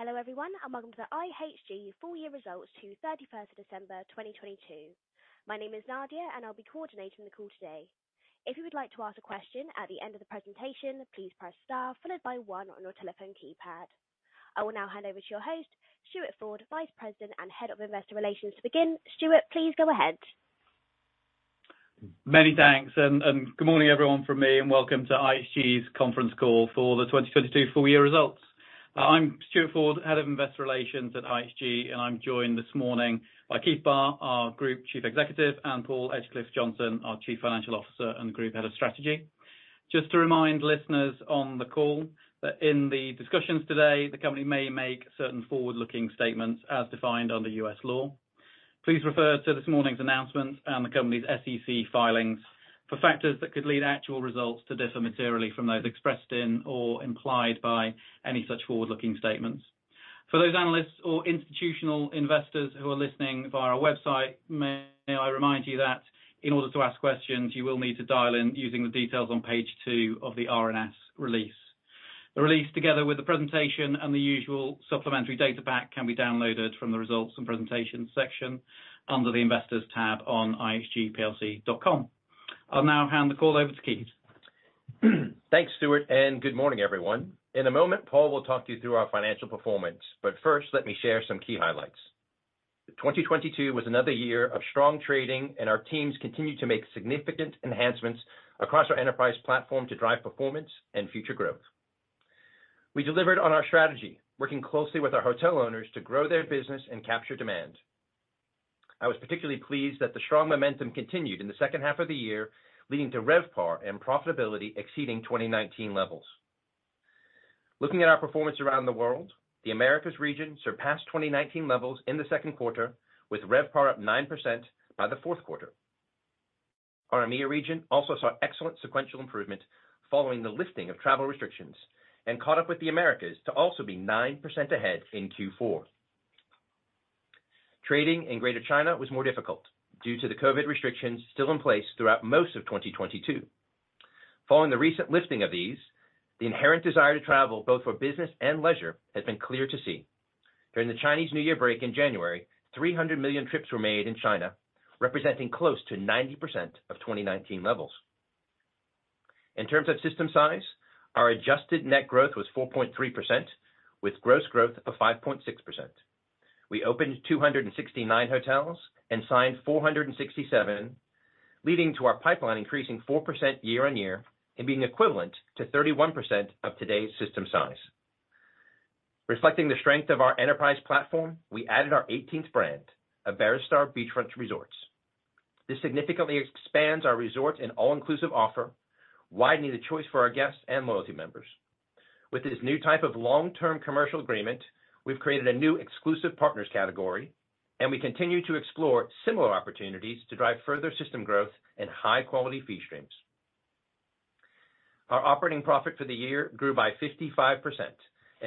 Hello, everyone, welcome to the IHG Full Year Results to 31st of December 2022. My name is Nadia, and I'll be coordinating the call today. If you would like to ask a question at the end of the presentation, please press star, followed by one on your telephone keypad. I will now hand over to your host, Stuart Ford, Vice President and Head of Investor Relations to begin. Stuart, please go ahead. Many thanks, and good morning, everyone from me. Welcome to IHG's conference call for the 2022 full year results. I'm Stuart Ford, Head of Investor Relations at IHG. I'm joined this morning by Keith Barr, our Group Chief Executive, and Paul Edgecliffe-Johnson, our Chief Financial Officer and Group Head of Strategy. To remind listeners on the call that in the discussions today, the company may make certain forward-looking statements as defined under U.S. law. Refer to this morning's announcements and the company's SEC filings for factors that could lead actual results to differ materially from those expressed in or implied by any such forward-looking statements. For those analysts or institutional investors who are listening via our website, may I remind you that in order to ask questions, you will need to dial in using the details on page two of the RNS release. The release together with the presentation and the usual supplementary data back can be downloaded from the results and presentation section under the Investors tab on ihgplc.com. I'll now hand the call over to Keith. Thanks, Stuart, and good morning, everyone. In a moment, Paul will talk you through our financial performance. First, let me share some key highlights. 2022 was another year of strong trading, and our teams continued to make significant enhancements across our enterprise platform to drive performance and future growth. We delivered on our strategy, working closely with our hotel owners to grow their business and capture demand. I was particularly pleased that the strong momentum continued in the second half of the year, leading to RevPAR and profitability exceeding 2019 levels. Looking at our performance around the world, the Americas region surpassed 2019 levels in the second quarter, with RevPAR up 9% by the fourth quarter. Our EMEA region also saw excellent sequential improvement following the lifting of travel restrictions and caught up with the Americas to also be 9% ahead in Q4. Trading in Greater China was more difficult due to the COVID restrictions still in place throughout most of 2022. Following the recent lifting of these, the inherent desire to travel, both for business and leisure, has been clear to see. During the Chinese New Year break in January, 300 million trips were made in China, representing close to 90% of 2019 levels. In terms of system size, our adjusted net growth was 4.3%, with gross growth of 5.6%. We opened 269 hotels and signed 467, leading to our pipeline increasing 4% year-on-year and being equivalent to 31% of today's system size. Reflecting the strength of our enterprise platform, we added our 18th brand, Iberostar Beachfront Resorts. This significantly expands our resorts and all-inclusive offer, widening the choice for our guests and loyalty members. With this new type of long-term commercial agreement, we've created a new exclusive partners category. We continue to explore similar opportunities to drive further system growth and high-quality fee streams. Our operating profit for the year grew by 55%.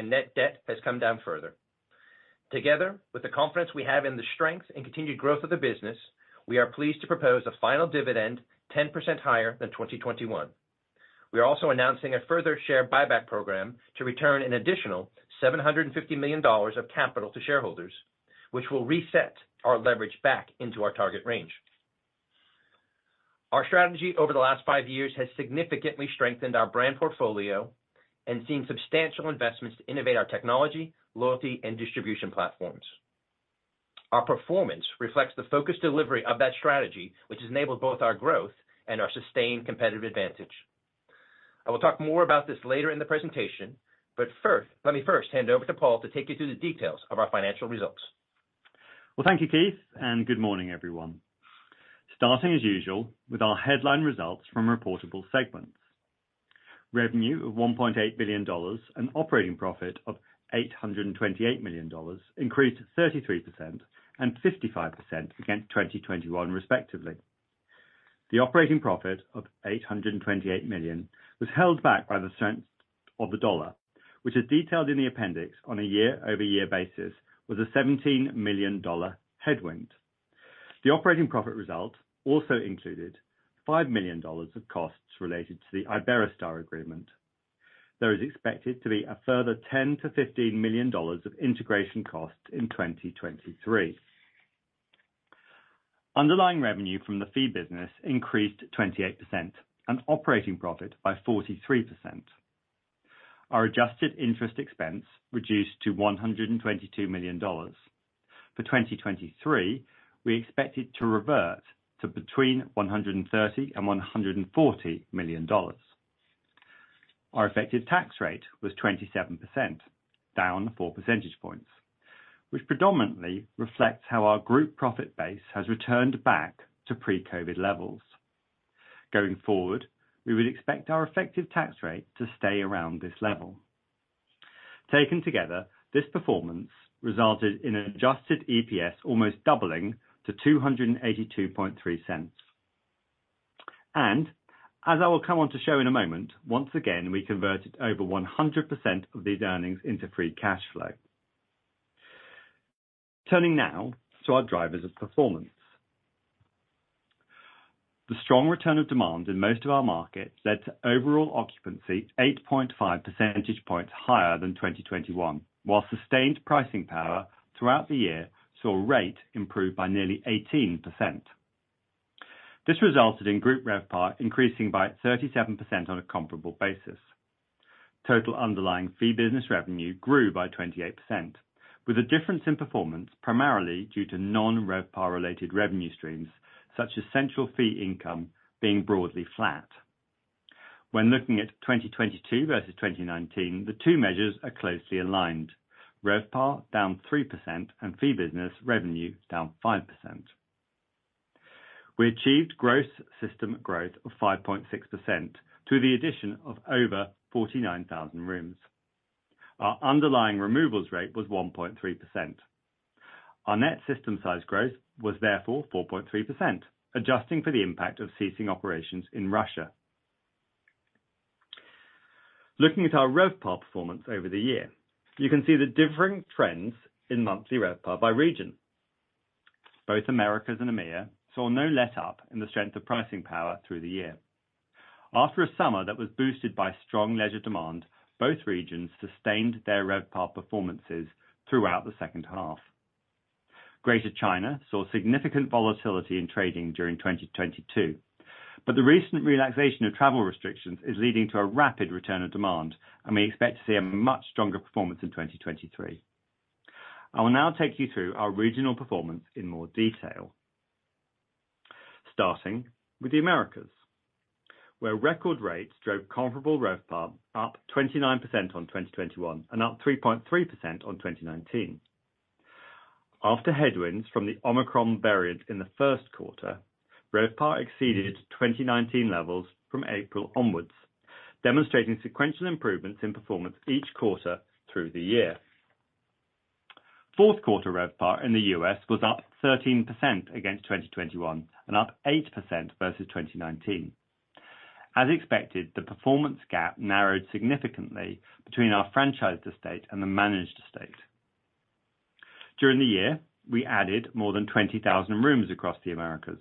Net debt has come down further. Together, with the confidence we have in the strength and continued growth of the business, we are pleased to propose a final dividend 10% higher than 2021. We are also announcing a further share buyback program to return an additional $750 million of capital to shareholders, which will reset our leverage back into our target range. Our strategy over the last five years has significantly strengthened our brand portfolio and seen substantial investments to innovate our technology, loyalty, and distribution platforms. Our performance reflects the focused delivery of that strategy, which has enabled both our growth and our sustained competitive advantage. I will talk more about this later in the presentation, but first let me first hand over to Paul to take you through the details of our financial results. Well, thank you, Keith, and good morning, everyone. Starting as usual, with our headline results from reportable segments. Revenue of $1.8 billion, an operating profit of $828 million increased 33% and 55% against 2021 respectively. The operating profit of $828 million was held back by the strength of the dollar, which is detailed in the appendix on a year-over-year basis with a $17 million headwind. The operating profit result also included $5 million of costs related to the Iberostar agreement. There is expected to be a further $10 million-$15 million of integration costs in 2023. Underlying revenue from the fee business increased 28% and operating profit by 43%. Our adjusted interest expense reduced to $122 million. For 2023, we expected to revert to between $130 million and $140 million. Our effective tax rate was 27%, down 4 percentage points, which predominantly reflects how our group profit base has returned back to pre-COVID levels. Going forward, we would expect our effective tax rate to stay around this level. Taken together, this performance resulted in an adjusted EPS almost doubling to $2.823. As I will come on to show in a moment, once again, we converted over 100% of these earnings into free cash flow. Turning now to our drivers of performance. The strong return of demand in most of our markets led to overall occupancy 8.5 percentage points higher than 2021, while sustained pricing power throughout the year saw rate improve by nearly 18%. This resulted in group RevPAR increasing by 37% on a comparable basis. Total underlying fee business revenue grew by 28%, with a difference in performance primarily due to non-RevPAR-related revenue streams, such as central fee income being broadly flat. When looking at 2022 versus 2019, the two measures are closely aligned, RevPAR down 3% and fee business revenue down 5%. We achieved gross system growth of 5.6% through the addition of over 49,000 rooms. Our underlying removals rate was 1.3%. Our net system size growth was therefore 4.3%, adjusting for the impact of ceasing operations in Russia. Looking at our RevPAR performance over the year, you can see the differing trends in monthly RevPAR by region. Both Americas and EMEA saw no letup in the strength of pricing power through the year. After a summer that was boosted by strong leisure demand, both regions sustained their RevPAR performances throughout the second half. Greater China saw significant volatility in trading during 2022, but the recent relaxation of travel restrictions is leading to a rapid return of demand, and we expect to see a much stronger performance in 2023. I will now take you through our regional performance in more detail. Starting with the Americas, where record rates drove comparable RevPAR up 29% on 2021 and up 3.3% on 2019. After headwinds from the Omicron variant in the first quarter, RevPAR exceeded 2019 levels from April onwards, demonstrating sequential improvements in performance each quarter through the year. Fourth quarter RevPAR in the U.S. was up 13% against 2021 and up 8% versus 2019. As expected, the performance gap narrowed significantly between our franchised estate and the managed estate. During the year, we added more than 20,000 rooms across the Americas.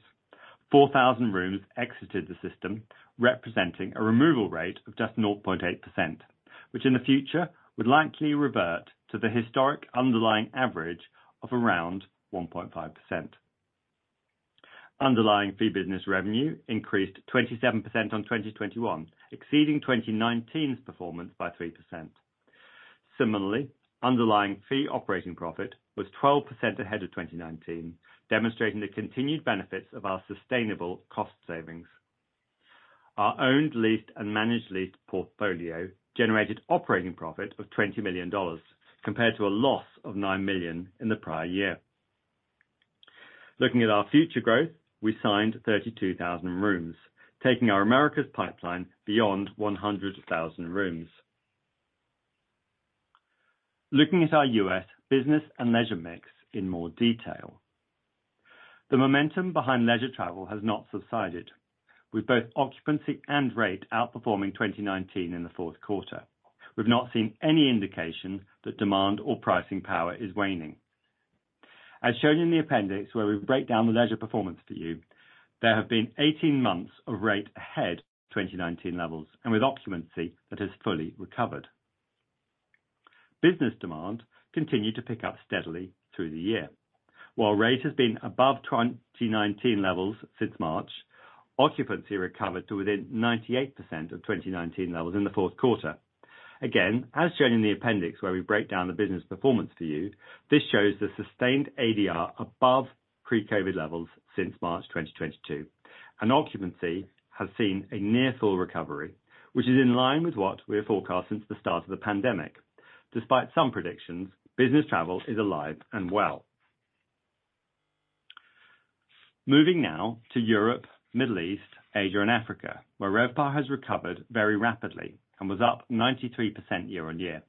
4,000 rooms exited the system, representing a removal rate of just 0.8%, which in the future would likely revert to the historic underlying average of around 1.5%. Underlying fee business revenue increased 27% on 2021, exceeding 2019's performance by 3%. Similarly, underlying fee operating profit was 12% ahead of 2019, demonstrating the continued benefits of our sustainable cost savings. Our owned, leased, and managed leased portfolio generated operating profit of $20 million compared to a loss of $9 million in the prior year. Looking at our future growth, we signed 32,000 rooms, taking our Americas pipeline beyond 100,000 rooms. Looking at our U.S. business and leisure mix in more detail. The momentum behind leisure travel has not subsided, with both occupancy and rate outperforming 2019 in the fourth quarter. We've not seen any indication that demand or pricing power is waning. As shown in the appendix, where we break down the leisure performance for you, there have been 18 months of rate ahead of 2019 levels and with occupancy that has fully recovered. Business demand continued to pick up steadily through the year. While rate has been above 2019 levels since March, occupancy recovered to within 98% of 2019 levels in the fourth quarter. As shown in the appendix, where we break down the business performance for you, this shows the sustained ADR above pre-COVID levels since March 2022, and occupancy has seen a near full recovery, which is in line with what we have forecast since the start of the pandemic. Despite some predictions, business travel is alive and well. Moving now to Europe, Middle East, Asia and Africa, where RevPAR has recovered very rapidly and was up 93% year-on-year.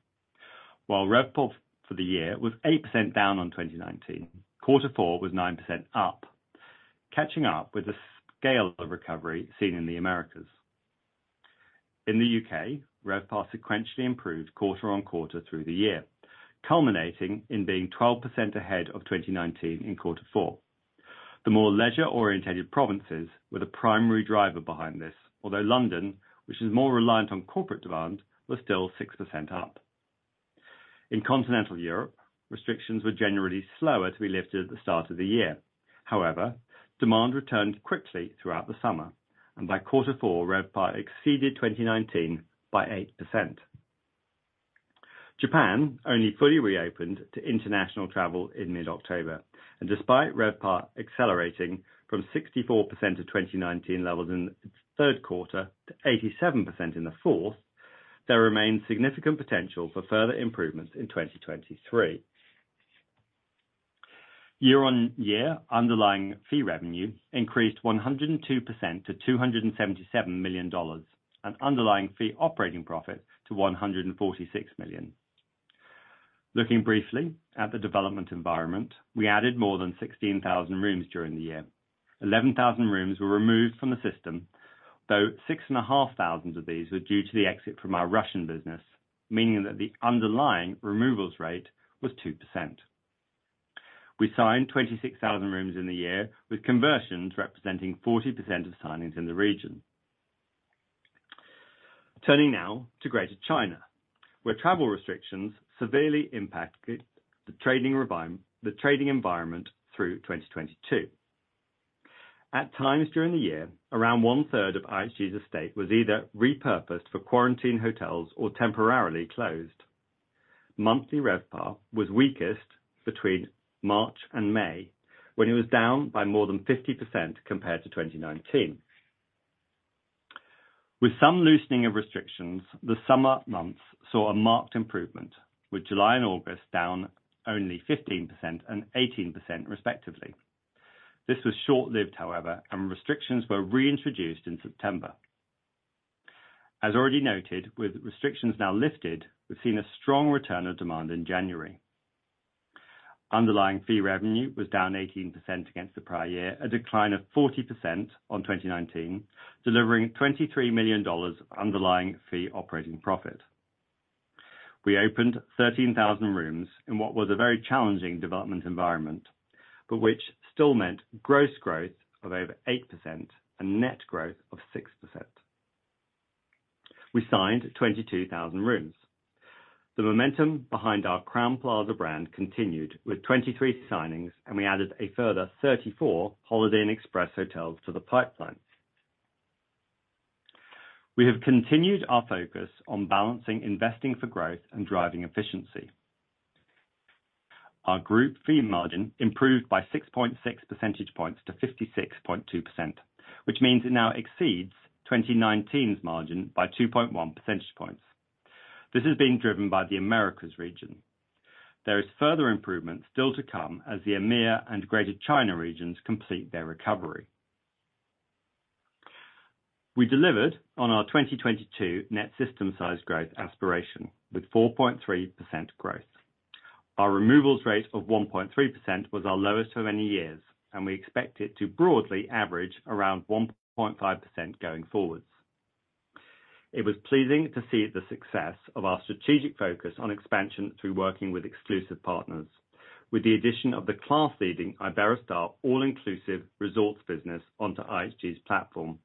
While RevPAR for the year was 8% down on 2019, Q4 was 9% up, catching up with the scale of recovery seen in the Americas. In the U.K., RevPAR sequentially improved quarter-on-quarter through the year, culminating in being 12% ahead of 2019 in Q4. The more leisure-orientated provinces were the primary driver behind this. Although London, which is more reliant on corporate demand, was still 6% up. In continental Europe, restrictions were generally slower to be lifted at the start of the year. However, demand returned quickly throughout the summer, and by Q4, RevPAR exceeded 2019 by 8%. Japan only fully reopened to international travel in mid-October. Despite RevPAR accelerating from 64% of 2019 levels in its third quarter to 87% in the fourth, there remains significant potential for further improvements in 2023. Year-on-year, underlying fee revenue increased 102% to $277 million, and underlying fee operating profit to $146 million. Looking briefly at the development environment, we added more than 16,000 rooms during the year. 11,000 rooms were removed from the system, though 6,500 of these were due to the exit from our Russian business, meaning that the underlying removals rate was 2%. We signed 26,000 rooms in the year, with conversions representing 40% of signings in the region. Turning now to Greater China, where travel restrictions severely impacted the trading environment through 2022. At times during the year, around one-third of IHG's estate was either repurposed for quarantine hotels or temporarily closed. Monthly RevPAR was weakest between March and May, when it was down by more than 50% compared to 2019. With some loosening of restrictions, the summer months saw a marked improvement, with July and August down only 15% and 18% respectively. This was short-lived, however, restrictions were reintroduced in September. As already noted, with restrictions now lifted, we've seen a strong return of demand in January. Underlying fee revenue was down 18% against the prior year, a decline of 40% on 2019, delivering $23 million of underlying fee operating profit. We opened 13,000 rooms in what was a very challenging development environment, but which still meant gross growth of over 8% and net growth of 6%. We signed 22,000 rooms. The momentum behind our Crowne Plaza brand continued with 23 signings, and we added a further 34 Holiday Inn Express hotels to the pipeline. We have continued our focus on balancing investing for growth and driving efficiency. Our group fee margin improved by 6.6 percentage points to 56.2%, which means it now exceeds 2019's margin by 2.1 percentage points. This is being driven by the Americas region. There is further improvement still to come as the EMEIA and Greater China regions complete their recovery. We delivered on our 2022 net system size growth aspiration with 4.3% growth. Our removals rate of 1.3% was our lowest for many years, and we expect it to broadly average around 1.5% going forwards. It was pleasing to see the success of our strategic focus on expansion through working with exclusive partners. With the addition of the class-leading Iberostar all-inclusive resorts business onto IHG's platform.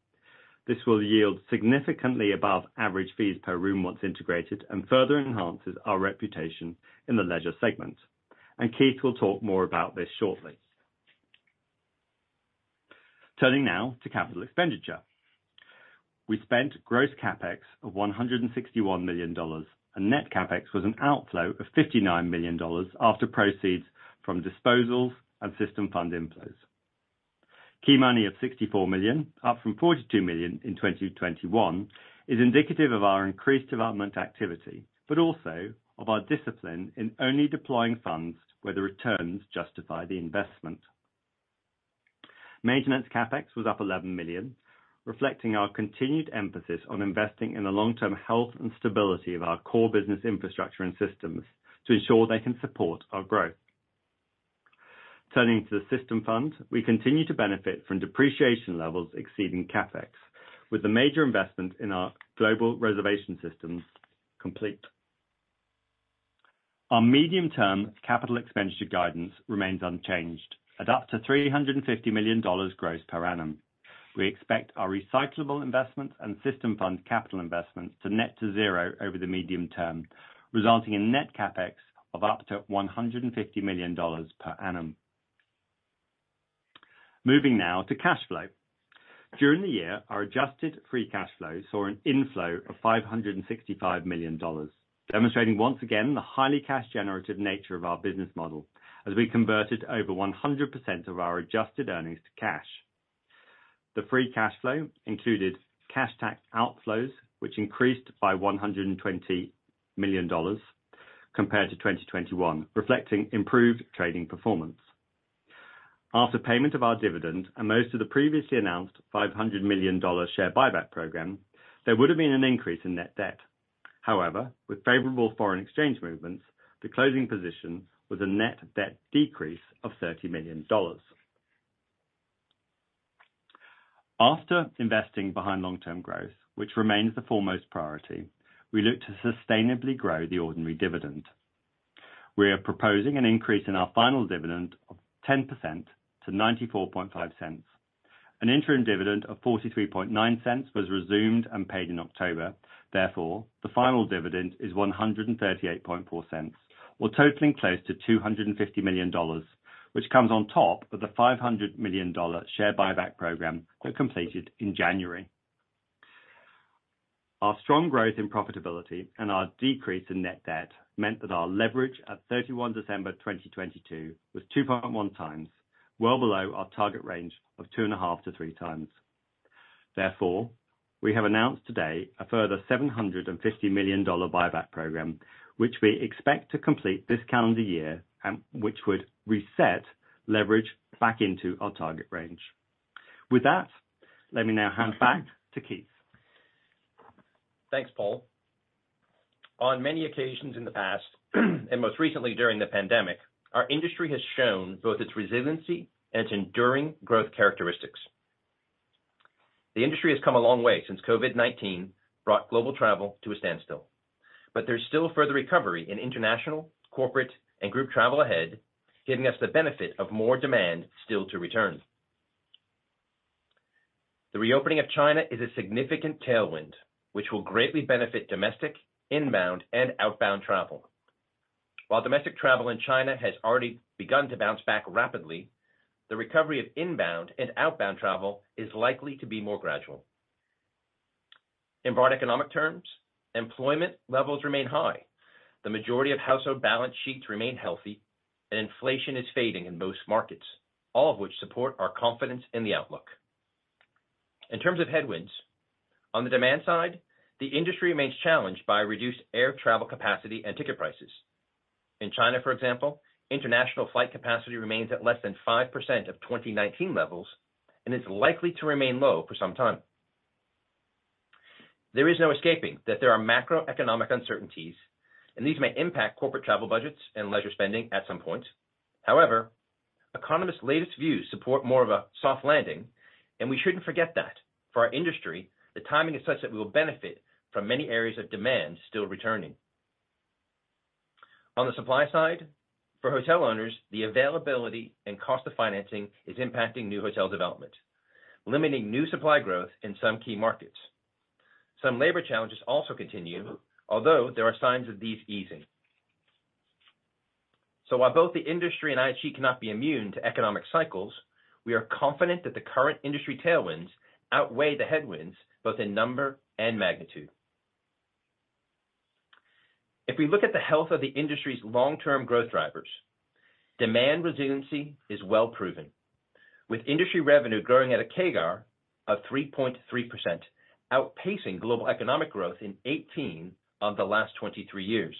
This will yield significantly above average fees per room once integrated, and further enhances our reputation in the leisure segment. Keith will talk more about this shortly. Turning now to capital expenditure. We spent gross CapEx of $161 million, and net CapEx was an outflow of $59 million after proceeds from disposals and System Fund inflows. Key money of $64 million, up from $42 million in 2021, is indicative of our increased development activity, but also of our discipline in only deploying funds where the returns justify the investment. Maintenance CapEx was up $11 million, reflecting our continued emphasis on investing in the long-term health and stability of our core business infrastructure and systems to ensure they can support our growth. Turning to the System Fund, we continue to benefit from depreciation levels exceeding CapEx, with the major investment in our global reservation systems complete. Our medium-term capital expenditure guidance remains unchanged at up to $350 million gross per annum. We expect our recyclable investments and System Fund capital investments to net to zero over the medium term, resulting in net CapEx of up to $150 million per annum. Moving now to cash flow. During the year, our adjusted free cash flow saw an inflow of $565 million, demonstrating once again the highly cash generative nature of our business model as we converted over 100% of our adjusted earnings to cash. The free cash flow included cash tax outflows, which increased by $120 million compared to 2021, reflecting improved trading performance. After payment of our dividend and most of the previously announced $500 million share buyback program, there would have been an increase in net debt. However, with favorable foreign exchange movements, the closing position was a net debt decrease of $30 million. After investing behind long-term growth, which remains the foremost priority, we look to sustainably grow the ordinary dividend. We are proposing an increase in our final dividend of 10% to $0.945. An interim dividend of $0.439 was resumed and paid in October. The final dividend is $1.384, or totaling close to $250 million, which comes on top of the $500 million share buyback program we completed in January. Our strong growth and profitability and our decrease in net debt meant that our leverage at 31 December 2022 was 2.1x, well below our target range of 2.5x-3x. We have announced today a further $750 million buyback program, which we expect to complete this calendar year, and which would reset leverage back into our target range. With that, let me now hand back to Keith. Thanks, Paul. On many occasions in the past, and most recently during the pandemic, our industry has shown both its resiliency and its enduring growth characteristics. The industry has come a long way since COVID-19 brought global travel to a standstill. There's still further recovery in international, corporate, and group travel ahead, giving us the benefit of more demand still to return. The reopening of China is a significant tailwind, which will greatly benefit domestic, inbound, and outbound travel. While domestic travel in China has already begun to bounce back rapidly, the recovery of inbound and outbound travel is likely to be more gradual. In broad economic terms, employment levels remain high. The majority of household balance sheets remain healthy, and inflation is fading in most markets, all of which support our confidence in the outlook. In terms of headwinds, on the demand side, the industry remains challenged by reduced air travel capacity and ticket prices. In China, for example, international flight capacity remains at less than 5% of 2019 levels and is likely to remain low for some time. There is no escaping that there are macroeconomic uncertainties, and these may impact corporate travel budgets and leisure spending at some point. However, economists' latest views support more of a soft landing, and we shouldn't forget that for our industry, the timing is such that we will benefit from many areas of demand still returning. On the supply side, for hotel owners, the availability and cost of financing is impacting new hotel development, limiting new supply growth in some key markets. Some labor challenges also continue, although there are signs of these easing. While both the industry and IHG cannot be immune to economic cycles, we are confident that the current industry tailwinds outweigh the headwinds, both in number and magnitude. If we look at the health of the industry's long-term growth drivers, demand resiliency is well proven, with industry revenue growing at a CAGR of 3.3%, outpacing global economic growth in 18% of the last 23 years.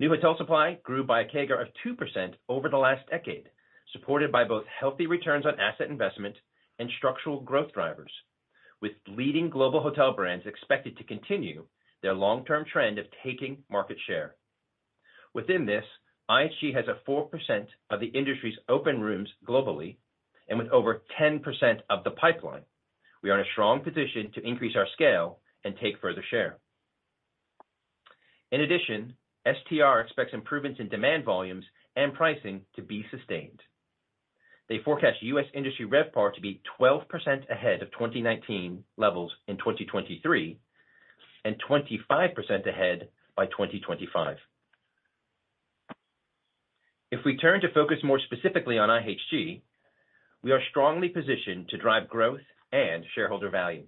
New hotel supply grew by a CAGR of 2% over the last decade, supported by both healthy returns on asset investment and structural growth drivers, with leading global hotel brands expected to continue their long-term trend of taking market share. Within this, IHG has a 4% of the industry's open rooms globally, and with over 10% of the pipeline, we are in a strong position to increase our scale and take further share. In addition, STR expects improvements in demand volumes and pricing to be sustained. They forecast US industry RevPAR to be 12% ahead of 2019 levels in 2023, and 25% ahead by 2025. We turn to focus more specifically on IHG, we are strongly positioned to drive growth and shareholder value.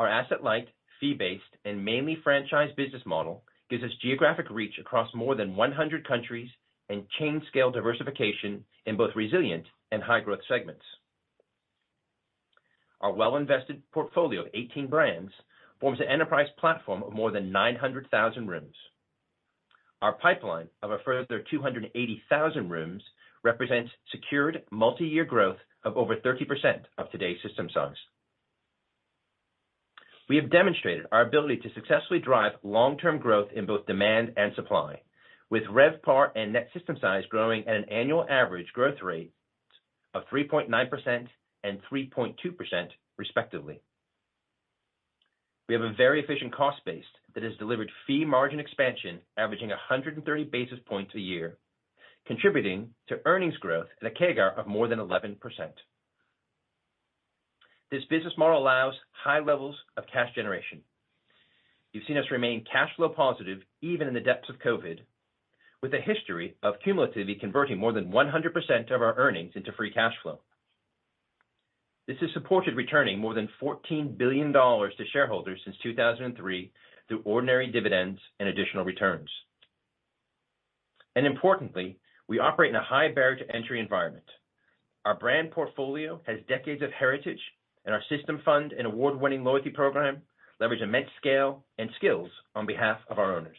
Our asset-light, fee-based, and mainly franchised business model gives us geographic reach across more than 100 countries and chain scale diversification in both resilient and high-growth segments. Our well-invested portfolio of 18 brands forms an enterprise platform of more than 900,000 rooms. Our pipeline of a further 280,000 rooms represents secured multi-year growth of over 30% of today's system size. We have demonstrated our ability to successfully drive long-term growth in both demand and supply, with RevPAR and net system size growing at an annual average growth rate of 3.9% and 3.2% respectively. We have a very efficient cost base that has delivered fee margin expansion averaging 130 basis points a year, contributing to earnings growth at a CAGR of more than 11%. This business model allows high levels of cash generation. You've seen us remain cash flow positive even in the depths of COVID, with a history of cumulatively converting more than 100% of our earnings into free cash flow. This has supported returning more than $14 billion to shareholders since 2003 through ordinary dividends and additional returns. Importantly, we operate in a high barrier to entry environment. Our brand portfolio has decades of heritage, our System Fund and award-winning loyalty program leverage immense scale and skills on behalf of our owners.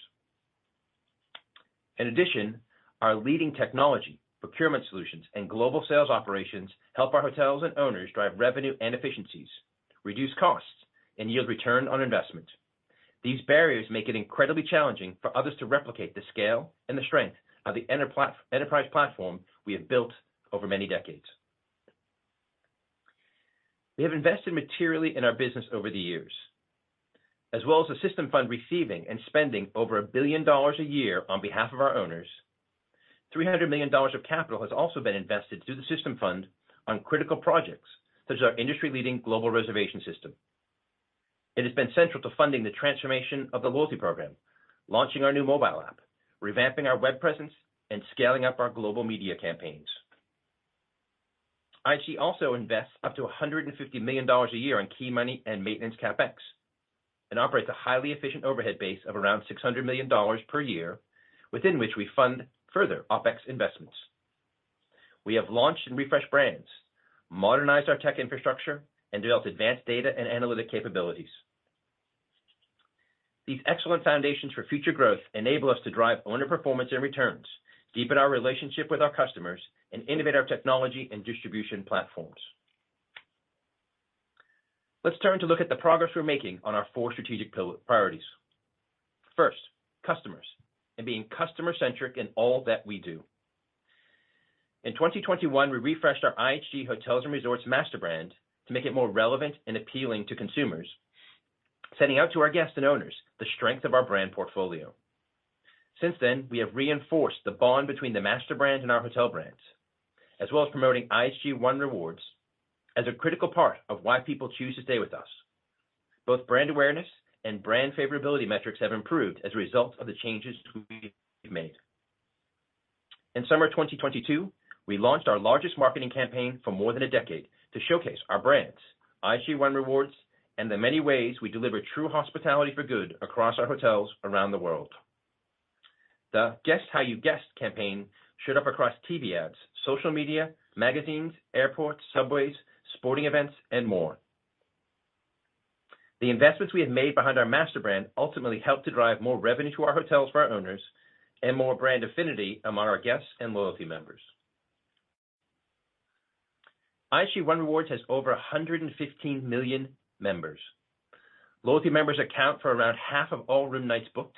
In addition, our leading technology, procurement solutions, and global sales operations help our hotels and owners drive revenue and efficiencies, reduce costs, and yield return on investment. These barriers make it incredibly challenging for others to replicate the scale and the strength of the enterprise platform we have built over many decades. We have invested materially in our business over the years. As well as the System Fund receiving and spending over $1 billion a year on behalf of our owners, $300 million of capital has also been invested through the System Fund on critical projects such as our industry-leading global reservation system. It has been central to funding the transformation of the loyalty program, launching our new mobile app, revamping our web presence, and scaling up our global media campaigns. IHG also invests up to $150 million a year on key money and maintenance CapEx, operates a highly efficient overhead base of around $600 million per year, within which we fund further OpEx investments. We have launched and refreshed brands, modernized our tech infrastructure, and developed advanced data and analytic capabilities. These excellent foundations for future growth enable us to drive owner performance and returns, deepen our relationship with our customers, and innovate our technology and distribution platforms. Let's turn to look at the progress we're making on our four strategic priorities. First, customers and being customer-centric in all that we do. In 2021, we refreshed our IHG Hotels & Resorts master brand to make it more relevant and appealing to consumers, sending out to our guests and owners the strength of our brand portfolio. Since then, we have reinforced the bond between the master brand and our hotel brands, as well as promoting IHG One Rewards as a critical part of why people choose to stay with us. Both brand awareness and brand favorability metrics have improved as a result of the changes we've made. In summer 2022, we launched our largest marketing campaign for more than a decade to showcase our brands, IHG One Rewards, and the many ways we deliver true hospitality for good across our hotels around the world. The Guest How You Guest campaign showed up across TV ads, social media, magazines, airports, subways, sporting events, and more. The investments we have made behind our master brand ultimately help to drive more revenue to our hotels for our owners and more brand affinity among our guests and loyalty members. IHG One Rewards has over 115 million members. Loyalty members account for around half of all room nights booked.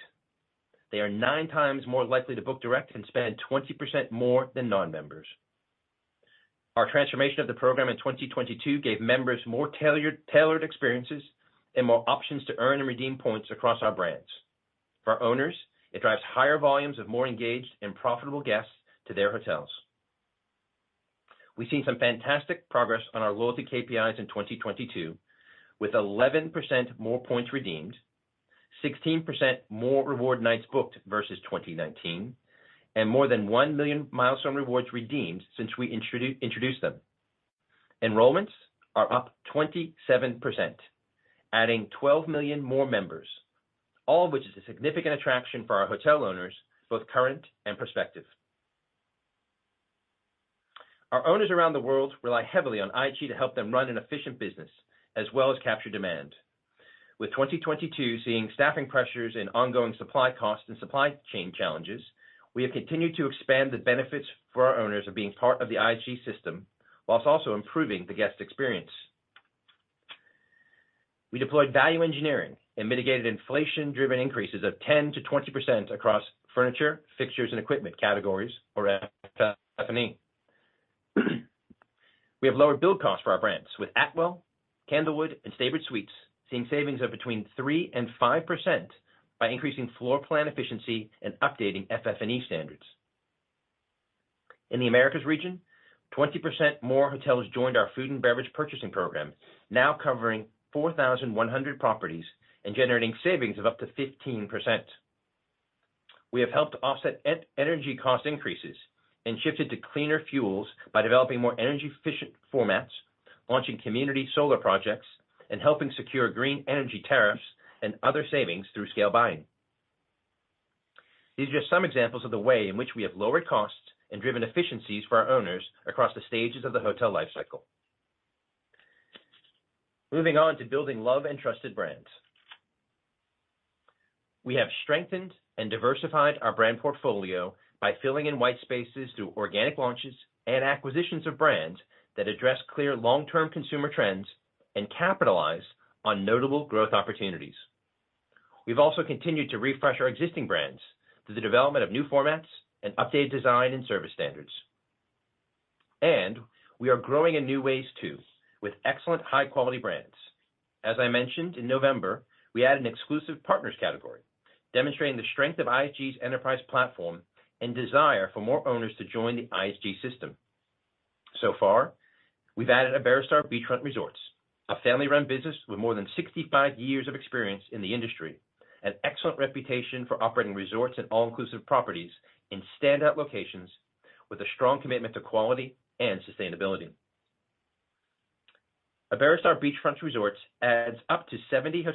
They are 9x more likely to book direct and spend 20% more than non-members. Our transformation of the program in 2022 gave members more tailored experiences and more options to earn and redeem points across our brands. For owners, it drives higher volumes of more engaged and profitable guests to their hotels. We've seen some fantastic progress on our loyalty KPIs in 2022, with 11% more points redeemed, 16% more reward nights booked versus 2019, and more than 1 million milestone rewards redeemed since we introduced them. Enrollments are up 27%, adding 12 million more members, all of which is a significant attraction for our hotel owners, both current and prospective. Our owners around the world rely heavily on IHG to help them run an efficient business, as well as capture demand. With 2022 seeing staffing pressures and ongoing supply costs and supply chain challenges, we have continued to expand the benefits for our owners of being part of the IHG system whilst also improving the guest experience. We deployed value engineering and mitigated inflation-driven increases of 10%-20% across furniture, fixtures, and equipment categories or FF&E. We have lowered build costs for our brands, with Atwell, Candlewood, and Staybridge Suites seeing savings of between 3% and 5% by increasing floor plan efficiency and updating FF&E standards. In the Americas region, 20% more hotels joined our food and beverage purchasing program, now covering 4,100 properties and generating savings of up to 15%. We have helped offset energy cost increases and shifted to cleaner fuels by developing more energy efficient formats, launching community solar projects, and helping secure green energy tariffs and other savings through scale buying. These are just some examples of the way in which we have lowered costs and driven efficiencies for our owners across the stages of the hotel life cycle. Moving on to building love and trusted brands. We have strengthened and diversified our brand portfolio by filling in white spaces through organic launches and acquisitions of brands that address clear long-term consumer trends and capitalize on notable growth opportunities. We've also continued to refresh our existing brands through the development of new formats and updated design and service standards. We are growing in new ways too, with excellent high-quality brands. As I mentioned, in November, we added an exclusive partners category demonstrating the strength of IHG's enterprise platform and desire for more owners to join the IHG system. So far, we've added Iberostar Beachfront Resorts, a family-run business with more than 65 years of experience in the industry, an excellent reputation for operating resorts and all-inclusive properties in standout locations with a strong commitment to quality and sustainability. Iberostar Beachfront Resorts adds up to 70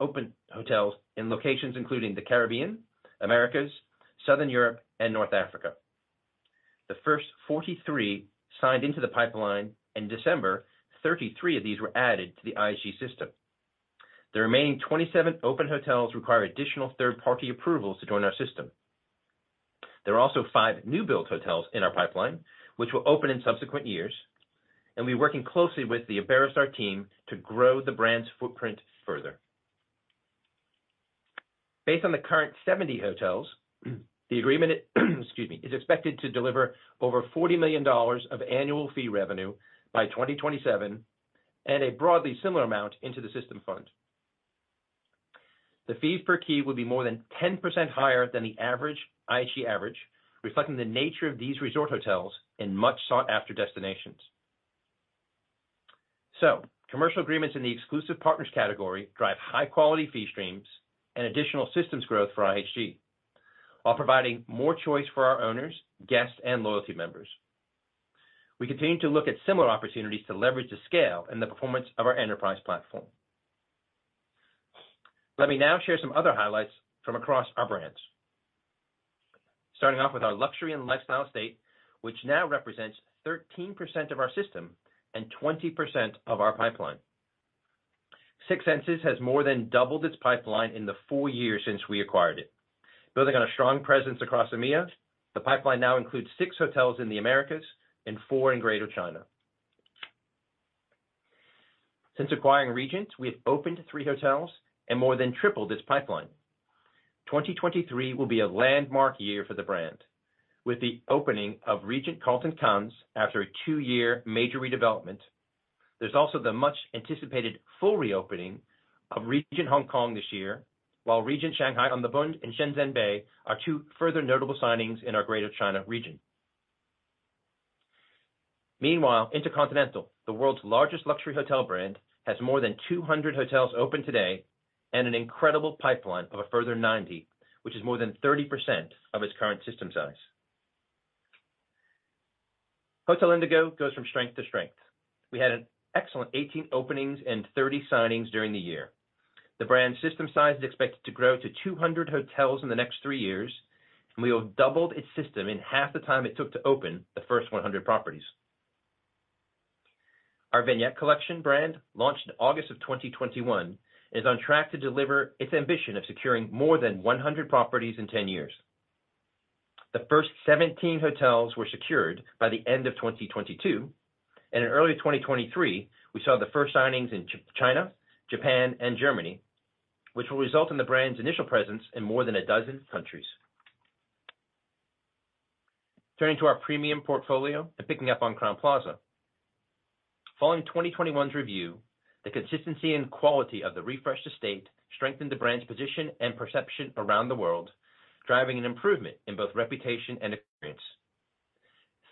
open hotels in locations including the Caribbean, Americas, Southern Europe, and North Africa. The first 43 signed into the pipeline in December. 33 of these were added to the IHG system. The remaining 27 open hotels require additional third-party approvals to join our system. There are also five new build hotels in our pipeline, which will open in subsequent years, and we're working closely with the Iberostar team to grow the brand's footprint further. Based on the current 70 hotels, the agreement excuse me, is expected to deliver over $40 million of annual fee revenue by 2027 and a broadly similar amount into the System Fund. The fees per key will be more than 10% higher than the IHG average, reflecting the nature of these resort hotels in much sought-after destinations. Commercial agreements in the exclusive partners category drive high-quality fee streams and additional systems growth for IHG while providing more choice for our owners, guests, and loyalty members. We continue to look at similar opportunities to leverage the scale and the performance of our enterprise platform. Let me now share some other highlights from across our brands. Starting off with our luxury and lifestyle state, which now represents 13% of our system and 20% of our pipeline. Six Senses has more than doubled its pipeline in the four years since we acquired it. Building on a strong presence across EMEA, the pipeline now includes six hotels in the Americas and four in Greater China. Since acquiring Regent, we have opened three hotels and more than tripled its pipeline. 2023 will be a landmark year for the brand, with the opening of Regent Carlton Cannes after a two-year major redevelopment. There's also the much-anticipated full reopening of Regent Hong Kong this year, while Regent Shanghai on the Bund in Shenzhen Bay are two further notable signings in our Greater China region. InterContinental, the world's largest luxury hotel brand, has more than 200 hotels open today and an incredible pipeline of a further 90, which is more than 30% of its current system size. Hotel Indigo goes from strength to strength. We had an excellent 18 openings and 30 signings during the year. The brand's system size is expected to grow to 200 hotels in the next three years, and we have doubled its system in half the time it took to open the first 100 properties. Our Vignette Collection brand, launched in August 2021, is on track to deliver its ambition of securing more than 100 properties in 10 years. The first 17 hotels were secured by the end of 2022. In early 2023, we saw the first signings in China, Japan, and Germany, which will result in the brand's initial presence in more than 12 countries. Turning to our premium portfolio and picking up on Crowne Plaza. Following 2021's review, the consistency and quality of the refreshed estate strengthened the brand's position and perception around the world, driving an improvement in both reputation and experience.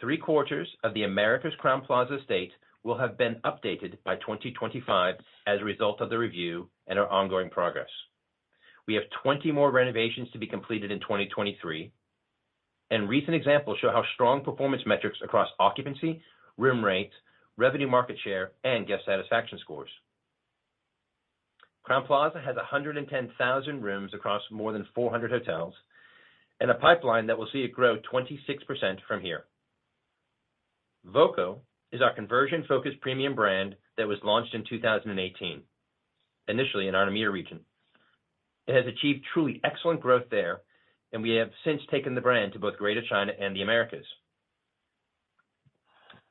Three quarters of the Americas' Crowne Plaza estate will have been updated by 2025 as a result of the review and our ongoing progress. We have 20 more renovations to be completed in 2023. Recent examples show how strong performance metrics across occupancy, room rates, revenue market share, and guest satisfaction scores. Crowne Plaza has 110,000 rooms across more than 400 hotels and a pipeline that will see it grow 26% from here. voco is our conversion-focused premium brand that was launched in 2018, initially in our EMEA region. It has achieved truly excellent growth there, and we have since taken the brand to both Greater China and the Americas.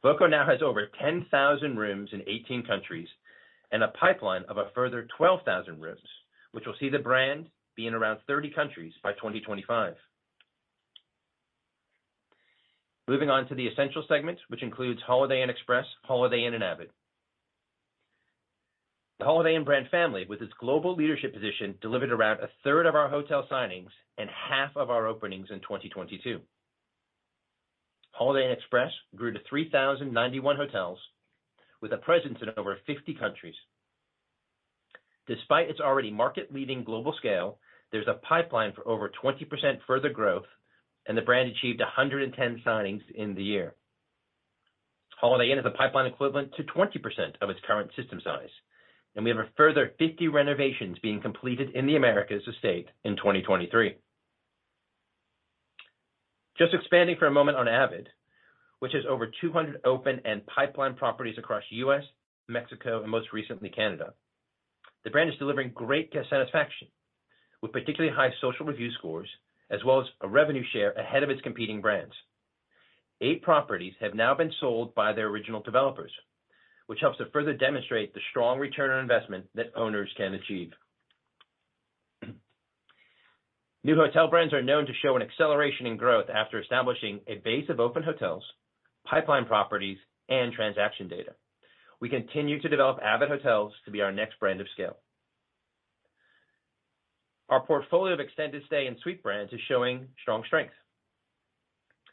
voco now has over 10,000 rooms in 18 countries and a pipeline of a further 12,000 rooms, which will see the brand be in around 30 countries by 2025. Moving on to the essential segment, which includes Holiday Inn Express, Holiday Inn, and avid. The Holiday Inn brand family, with its global leadership position, delivered around a third of our hotel signings and half of our openings in 2022. Holiday Inn Express grew to 3,091 hotels with a presence in over 50 countries. Despite its already market-leading global scale, there's a pipeline for over 20% further growth, and the brand achieved 110 signings in the year. Holiday Inn has a pipeline equivalent to 20% of its current system size, and we have a further 50 renovations being completed in the Americas estate in 2023. Just expanding for a moment on avid, which has over 200 open and pipeline properties across the U.S., Mexico, and most recently, Canada. The brand is delivering great guest satisfaction with particularly high social review scores, as well as a revenue share ahead of its competing brands. Eight properties have now been sold by their original developers, which helps to further demonstrate the strong Return on Investment that owners can achieve. New hotel brands are known to show an acceleration in growth after establishing a base of open hotels, pipeline properties, and transaction data. We continue to develop avid hotels to be our next brand of scale. Our portfolio of extended stay and suite brands is showing strong strength.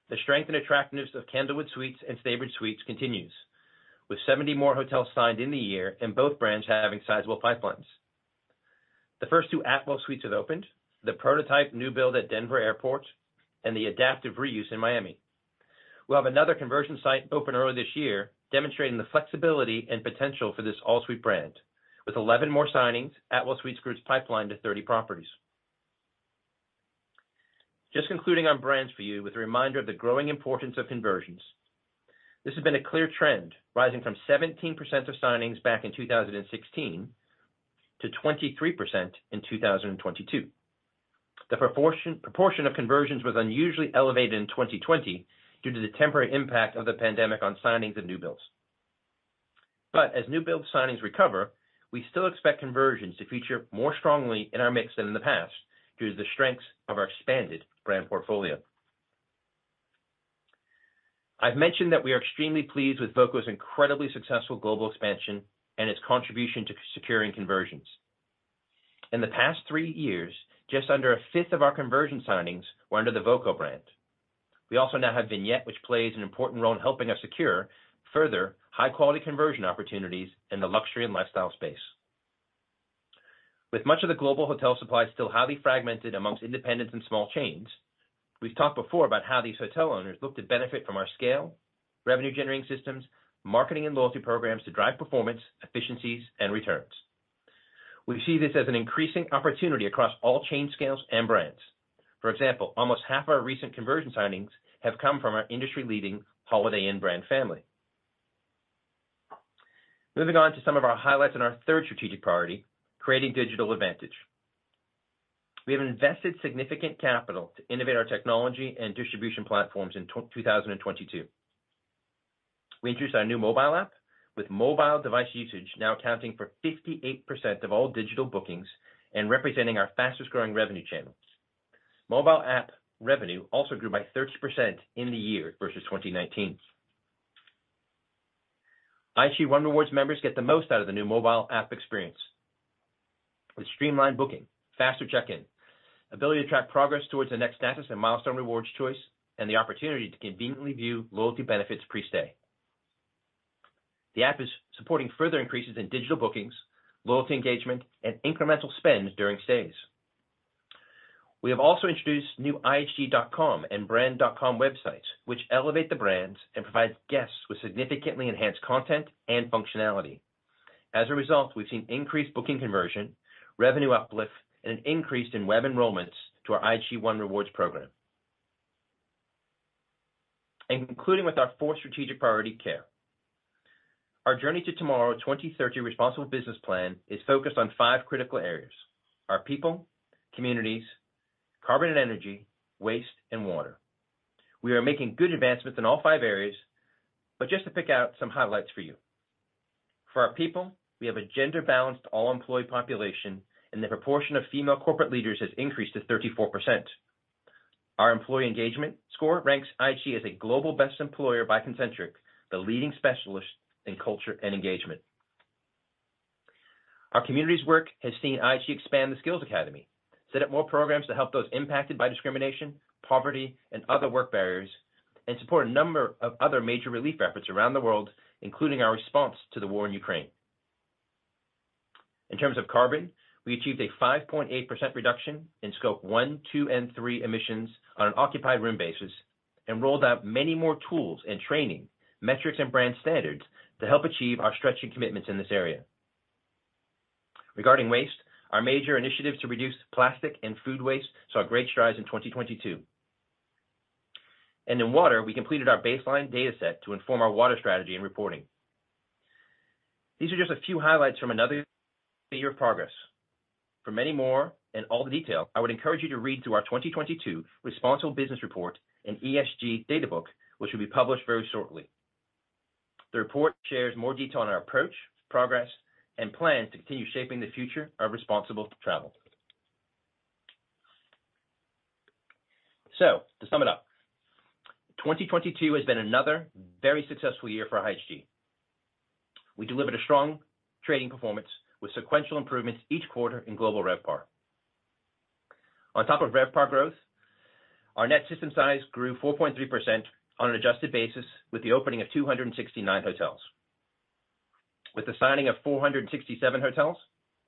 The strength and attractiveness of Candlewood Suites and Staybridge Suites continues, with 70 more hotels signed in the year and both brands having sizable pipelines. The first two Atwell Suites have opened, the prototype new build at Denver Airport and the adaptive reuse in Miami. We'll have another conversion site open early this year, demonstrating the flexibility and potential for this all-suite brand. With 11 more signings, Atwell Suites grew its pipeline to 30 properties. Just concluding on brands for you with a reminder of the growing importance of conversions. This has been a clear trend, rising from 17% of signings back in 2016 to 23% in 2022. The proportion of conversions was unusually elevated in 2020 due to the temporary impact of the pandemic on signings of new builds. As new build signings recover, we still expect conversions to feature more strongly in our mix than in the past due to the strengths of our expanded brand portfolio. I've mentioned that we are extremely pleased with voco's incredibly successful global expansion and its contribution to securing conversions. In the past three years, just under a fifth of our conversion signings were under the voco brand. We also now have Vignette, which plays an important role in helping us secure further high-quality conversion opportunities in the luxury and lifestyle space. With much of the global hotel supply still highly fragmented among independents and small chains, we've talked before about how these hotel owners look to benefit from our scale, revenue-generating systems, marketing and loyalty programs to drive performance, efficiencies, and returns. We see this as an increasing opportunity across all chain scales and brands. For example, almost half our recent conversion signings have come from our industry-leading Holiday Inn brand family. Moving on to some of our highlights in our third strategic priority, creating digital advantage. We have invested significant capital to innovate our technology and distribution platforms in 2022. We introduced our new mobile app with mobile device usage now accounting for 58% of all digital bookings and representing our fastest growing revenue channels. Mobile app revenue also grew by 30% in the year versus 2019. IHG One Rewards members get the most out of the new mobile app experience. With streamlined booking, faster check-in, ability to track progress towards the next status and milestone rewards choice, and the opportunity to conveniently view loyalty benefits pre-stay. The app is supporting further increases in digital bookings, loyalty engagement, and incremental spend during stays. We have also introduced new ihg.com and brand.com websites, which elevate the brands and provide guests with significantly enhanced content and functionality. As a result, we've seen increased booking conversion, revenue uplift, and an increase in web enrollments to our IHG One Rewards program. Concluding with our fourth strategic priority, care. Our Journey to Tomorrow 2030 responsible business plan is focused on five critical areas: our people, communities, carbon and energy, waste, and water. We are making good advancements in all five areas, but just to pick out some highlights for you. For our people, we have a gender balanced all employee population, and the proportion of female corporate leaders has increased to 34%. Our employee engagement score ranks IHG as a global best employer by Kincentric, the leading specialist in culture and engagement. Our communities work has seen IHG expand the skills academy, set up more programs to help those impacted by discrimination, poverty, and other work barriers, and support a number of other major relief efforts around the world, including our response to the war in Ukraine. In terms of carbon, we achieved a 5.8% reduction in Scope one, two, and three emissions on an occupied room basis and rolled out many more tools and training, metrics, and brand standards to help achieve our stretching commitments in this area. Regarding waste, our major initiatives to reduce plastic and food waste saw great strides in 2022. In water, we completed our baseline data set to inform our water strategy and reporting. These are just a few highlights from another year of progress. For many more and all the detail, I would encourage you to read through our 2022 responsible business report and ESG data book, which will be published very shortly. The report shares more detail on our approach, progress, and plans to continue shaping the future of responsible travel. To sum it up, 2022 has been another very successful year for IHG. We delivered a strong trading performance with sequential improvements each quarter in global RevPAR. On top of RevPAR growth, our net system size grew 4.3% on an adjusted basis with the opening of 269 hotels. With the signing of 467 hotels,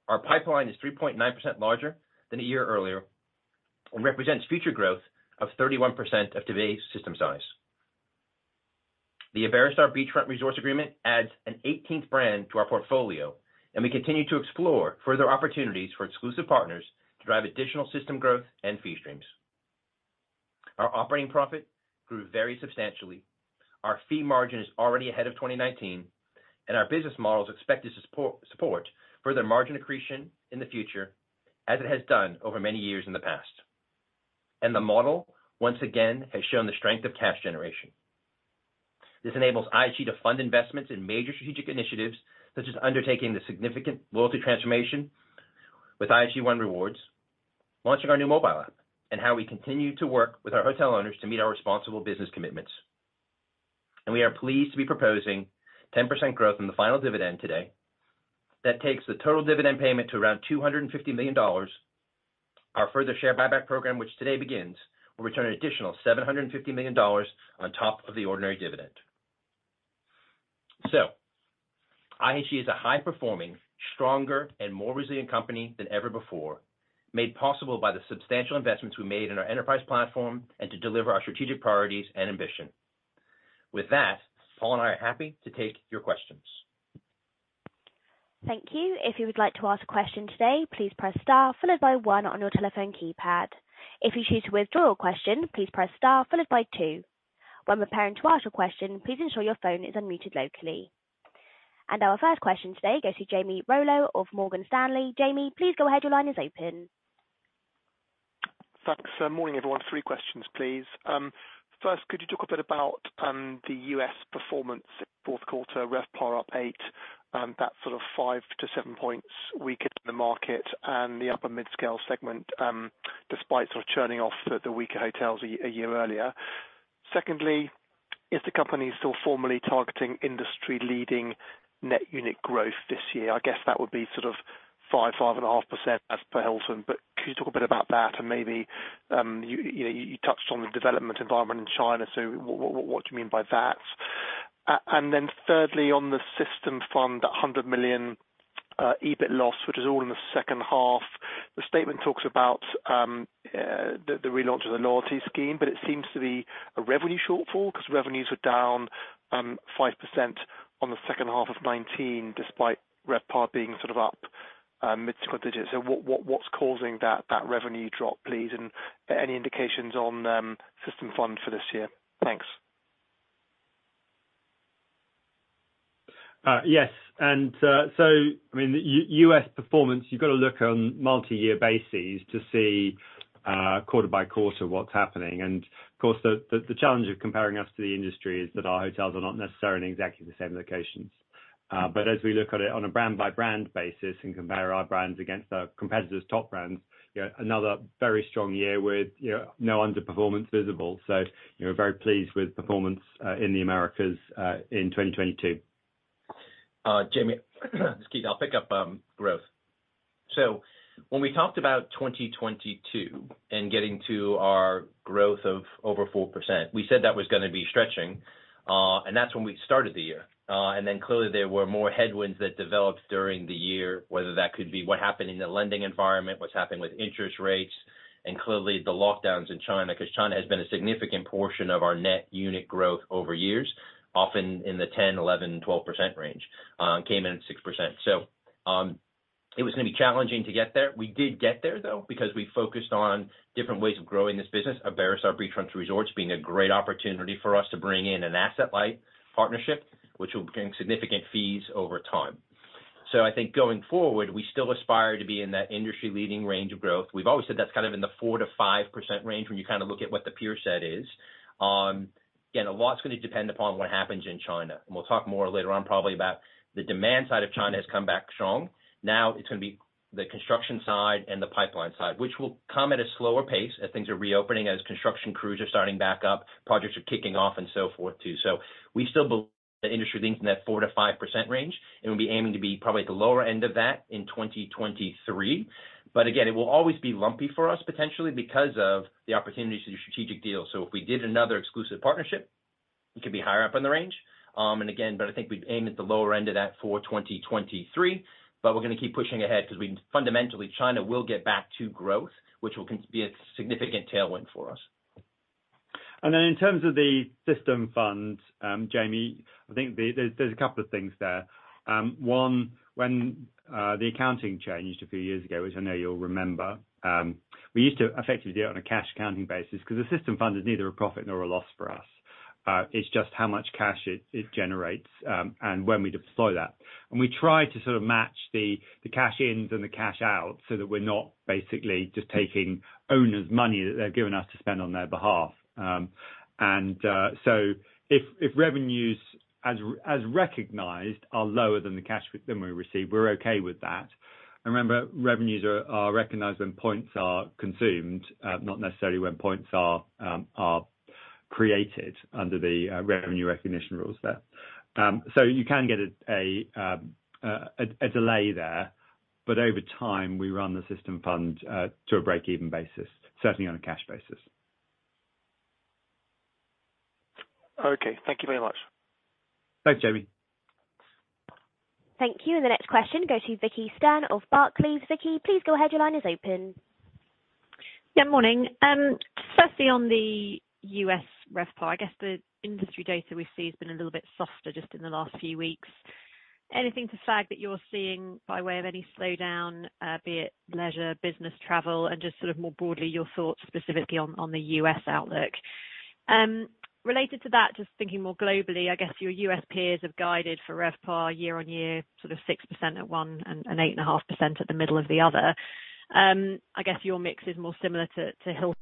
our pipeline is 3.9% larger than a year earlier and represents future growth of 31% of today's system size. The Iberostar Beachfront Resorts agreement adds an 18th brand to our portfolio, we continue to explore further opportunities for exclusive partners to drive additional system growth and fee streams. Our operating profit grew very substantially. Our fee margin is already ahead of 2019, our business model is expected to support further margin accretion in the future as it has done over many years in the past. The model once again has shown the strength of cash generation. This enables IHG to fund investments in major strategic initiatives such as undertaking the significant loyalty transformation with IHG One Rewards, launching our new mobile app, and how we continue to work with our hotel owners to meet our responsible business commitments. We are pleased to be proposing 10% growth in the final dividend today. That takes the total dividend payment to around $250 million. Our further share buyback program, which today begins, will return an additional $750 million on top of the ordinary dividend. IHG is a high performing, stronger, and more resilient company than ever before, made possible by the substantial investments we made in our enterprise platform and to deliver our strategic priorities and ambition. With that, Paul and I are happy to take your questions. Thank you. If you would like to ask a question today, please press star followed by one on your telephone keypad. If you choose to withdraw your question, please press star followed by 2. When preparing to ask your question, please ensure your phone is unmuted locally. Our first question today goes to Jamie Rollo of Morgan Stanley. Jamie, please go ahead. Your line is open. Thanks. Morning, everyone. Three questions, please. First, could you talk a bit about the U.S. performance Q4 RevPAR up 8%, that sort of five-seven points weaker than the market and the upper mid-scale segment, despite sort of churning off the weaker hotels a year earlier. Secondly, is the company still formally targeting industry leading net unit growth this year? I guess that would be sort of 5.5% as per Hilton. Could you talk a bit about that? Maybe, you know, you touched on the development environment in China, so what do you mean by that? Thirdly, on the System Fund, that $100 million EBIT loss, which is all in the second half. The statement talks about the relaunch of the loyalty scheme. It seems to be a revenue shortfall because revenues were down 5% on the second half of 2019, despite RevPAR being sort of up mid-quad digits. What's causing that revenue drop, please? Any indications on system fund for this year? Thanks. Yes. I mean, U.S. performance, you've got to look on multi-year bases to see, quarter by quarter what's happening. Of course, the challenge of comparing us to the industry is that our hotels are not necessarily in exactly the same locations. As we look at it on a brand-by-brand basis and compare our brands against our competitor's top brands, you know, another very strong year with, you know, no underperformance visible. You know, very pleased with performance in the Americas in 2022. Jamie, it's Keith, I'll pick up growth. When we talked about 2022 and getting to our growth of over 4%, we said that was gonna be stretching, and that's when we started the year. Clearly there were more headwinds that developed during the year, whether that could be what happened in the lending environment, what's happened with interest rates, and clearly the lockdowns in China. Cause China has been a significant portion of our net unit growth over years, often in the 10%, 11%, 12% range, came in at 6%. It was gonna be challenging to get there. We did get there, though, because we focused on different ways of growing this business, Iberostar Beachfront Resorts, our beachfront resorts being a great opportunity for us to bring in an asset-light partnership, which will gain significant fees over time. I think going forward, we still aspire to be in that industry-leading range of growth. We've always said that's kind of in the 4%-5% range when you kind of look at what the peer set is. Again, a lot's going to depend upon what happens in China, and we'll talk more later on probably about the demand side of China has come back strong. Now it's going to be the construction side and the pipeline side, which will come at a slower pace as things are reopening, as construction crews are starting back up, projects are kicking off and so forth too. We still believe the industry thinks in that 4%-5% range, and we'll be aiming to be probably at the lower end of that in 2023. Again, it will always be lumpy for us potentially because of the opportunities to do strategic deals. If we did another exclusive partnership, it could be higher up in the range. Again, I think we'd aim at the lower end of that for 2023, but we're gonna keep pushing ahead because fundamentally China will get back to growth, which will be a significant tailwind for us. In terms of the system funds, Jamie, I think there's a couple of things there. One, when the accounting changed a few years ago, which I know you'll remember, we used to effectively do it on a cash accounting basis because the system fund is neither a profit nor a loss for us. It's just how much cash it generates, and when we deploy that. We try to sort of match the cash ins and the cash outs so that we're not basically just taking owners' money that they've given us to spend on their behalf. If revenues as recognized are lower than the cash than we receive, we're okay with that. Remember, revenues are recognized when points are consumed, not necessarily when points are created under the revenue recognition rules there. You can get a delay there, but over time, we run the System Fund to a break-even basis, certainly on a cash basis. Okay, thank you very much. Thanks, Jamie. Thank you. The next question goes to Vicki Stern of Barclays. Vicki, please go ahead. Your line is open. Morning. Firstly, on the U.S. RevPAR, I guess the industry data we see has been a little bit softer just in the last few weeks. Anything to flag that you're seeing by way of any slowdown, be it leisure, business travel, and just sort of more broadly, your thoughts specifically on the U.S. outlook? Related to that, just thinking more globally, I guess your U.S. peers have guided for RevPAR year-on-year, sort of 6% at one and 8.5% at the middle of the other. I guess your mix is more similar to Hilton.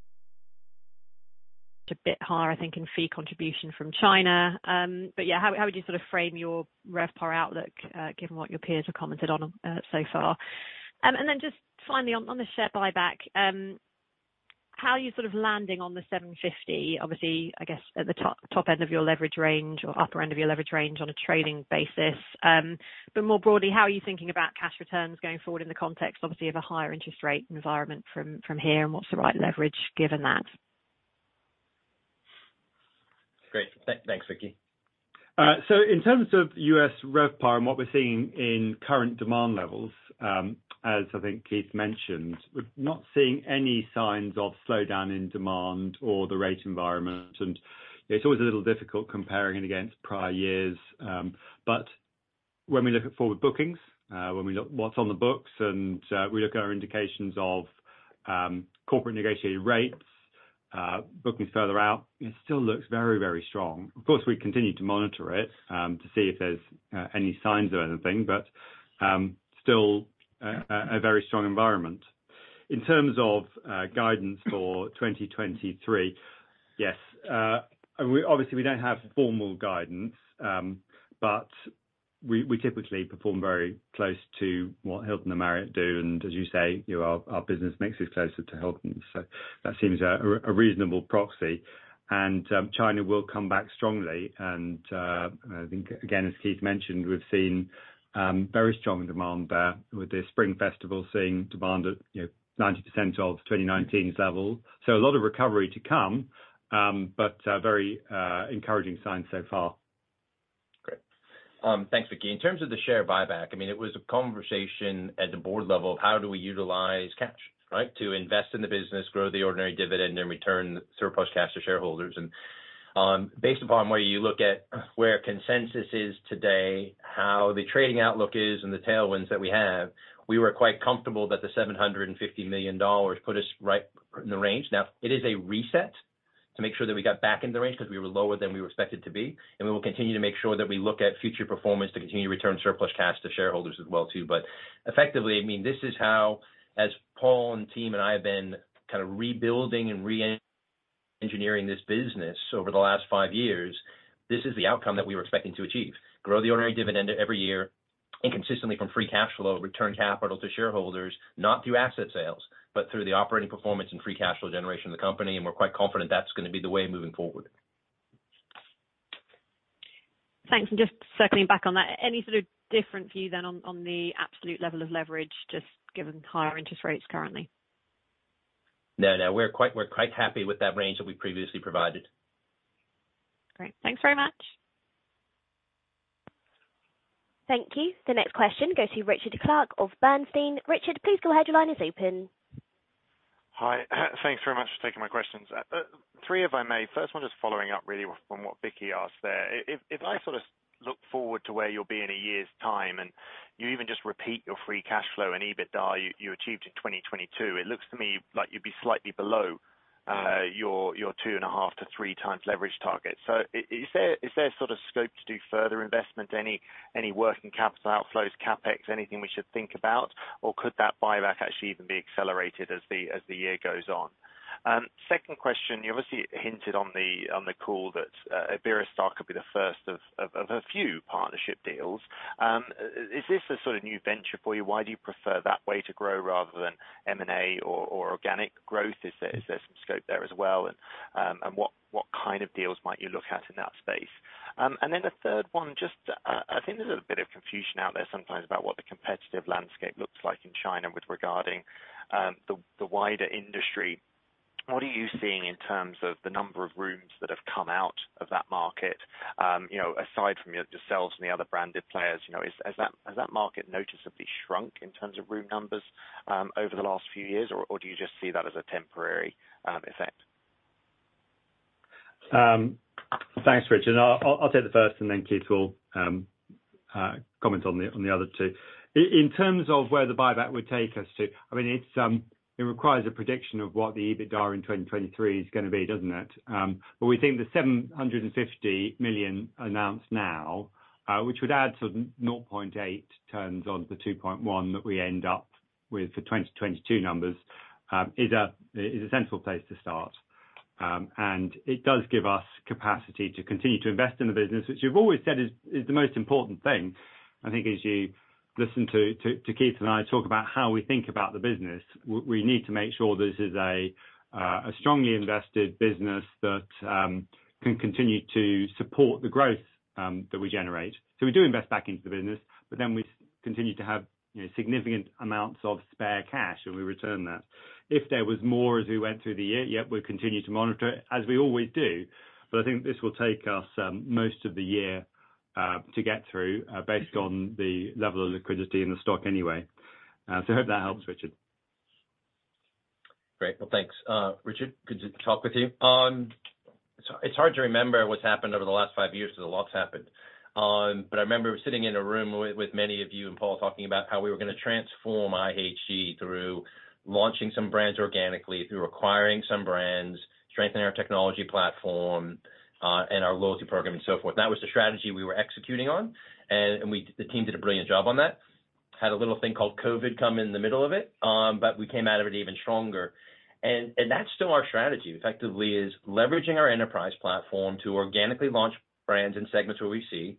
Based upon where you look at where consensus is today, how the trading outlook is, and the tailwinds that we have, we were quite comfortable that the $750 million put us right in the range. It is a reset to make sure that we got back in the range because we were lower than we were expected to be. We will continue to make sure that we look at future performance to continue to return surplus cash to shareholders as well too. Effectively, I mean, this is how, as Paul and team and I have been kind of rebuilding and re-engineering this business over the last five years, this is the outcome that we were expecting to achieve. Grow the ordinary dividend every year, and consistently from free cash flow, return capital to shareholders, not through asset sales, but through the operating performance and free cash flow generation of the company. We're quite confident that's going to be the way moving forward. Thanks. Just circling back on that. Any sort of different view then on the absolute level of leverage, just given higher interest rates currently? No, no, we're quite happy with that range that we previously provided. Great. Thanks very much. Thank you. The next question goes to Richard Clarke of Bernstein. Richard, please go ahead. Your line is open. Hi. Thanks very much for taking my questions. Three, if I may. First one, just following up really from what Vicki asked there. If I sort of look forward to where you'll be in a year's time, and you even just repeat your free cash flow and EBITDA you achieved in 2022, it looks to me like you'd be slightly below your 2.5x-3x leverage target. Is there sort of scope to do further investment? Any working capital outflows, CapEx, anything we should think about? Could that buyback actually even be accelerated as the year goes on? Second question, you obviously hinted on the call that Iberostar could be the first of a few partnership deals. Is this a sort of new venture for you? Why do you prefer that way to grow rather than M&A or organic growth? Is there some scope there as well? What kind of deals might you look at in that space? Then the third one, just, I think there's a bit of confusion out there sometimes about what the competitive landscape looks like in China with regarding the wider industry. What are you seeing in terms of the number of rooms that have come out of that market? You know, aside from yourselves and the other branded players, you know, has that market noticeably shrunk in terms of room numbers over the last few years, or do you just see that as a temporary effect? Thanks, Richard. I'll take the first and then Keith will comment on the other two. In terms of where the buyback would take us to, I mean, it's it requires a prediction of what the EBITDA in 2023 is gonna be, doesn't it? We think the $750 million announced now, which would add sort of 0.8x turns on the 2.1x that we end up with for 2022 numbers, is a central place to start. It does give us capacity to continue to invest in the business, which you've always said is the most important thing. I think as you listen to Keith and I talk about how we think about the business, we need to make sure this is a strongly invested business that can continue to support the growth that we generate. We do invest back into the business, we continue to have, you know, significant amounts of spare cash, and we return that. If there was more as we went through the year, yeah, we'll continue to monitor it, as we always do. I think this will take us most of the year to get through based on the level of liquidity in the stock anyway. Hope that helps, Richard. Great. Well, thanks, Richard. Good to talk with you. It's hard to remember what's happened over the last five years till the lots happened. I remember sitting in a room with many of you and Paul talking about how we were gonna transform IHG through launching some brands organically, through acquiring some brands, strengthening our technology platform and our loyalty program and so forth. That was the strategy we were executing on, the team did a brilliant job on that. Had a little thing called COVID come in the middle of it, we came out of it even stronger. That's still our strategy, effectively, is leveraging our enterprise platform to organically launch brands and segments where we see.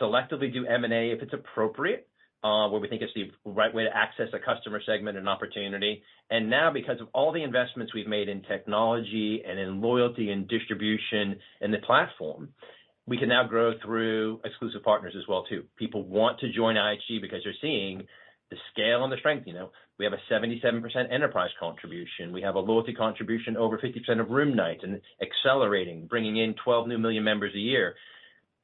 Selectively do M&A if it's appropriate, where we think it's the right way to access a customer segment and opportunity. Now because of all the investments we've made in technology and in loyalty and distribution in the platform, we can now grow through exclusive partners as well too. People want to join IHG because they're seeing the scale and the strength. You know, we have a 77% enterprise contribution. We have a loyalty contribution over 50% of room night and accelerating, bringing in 12 new million members a year.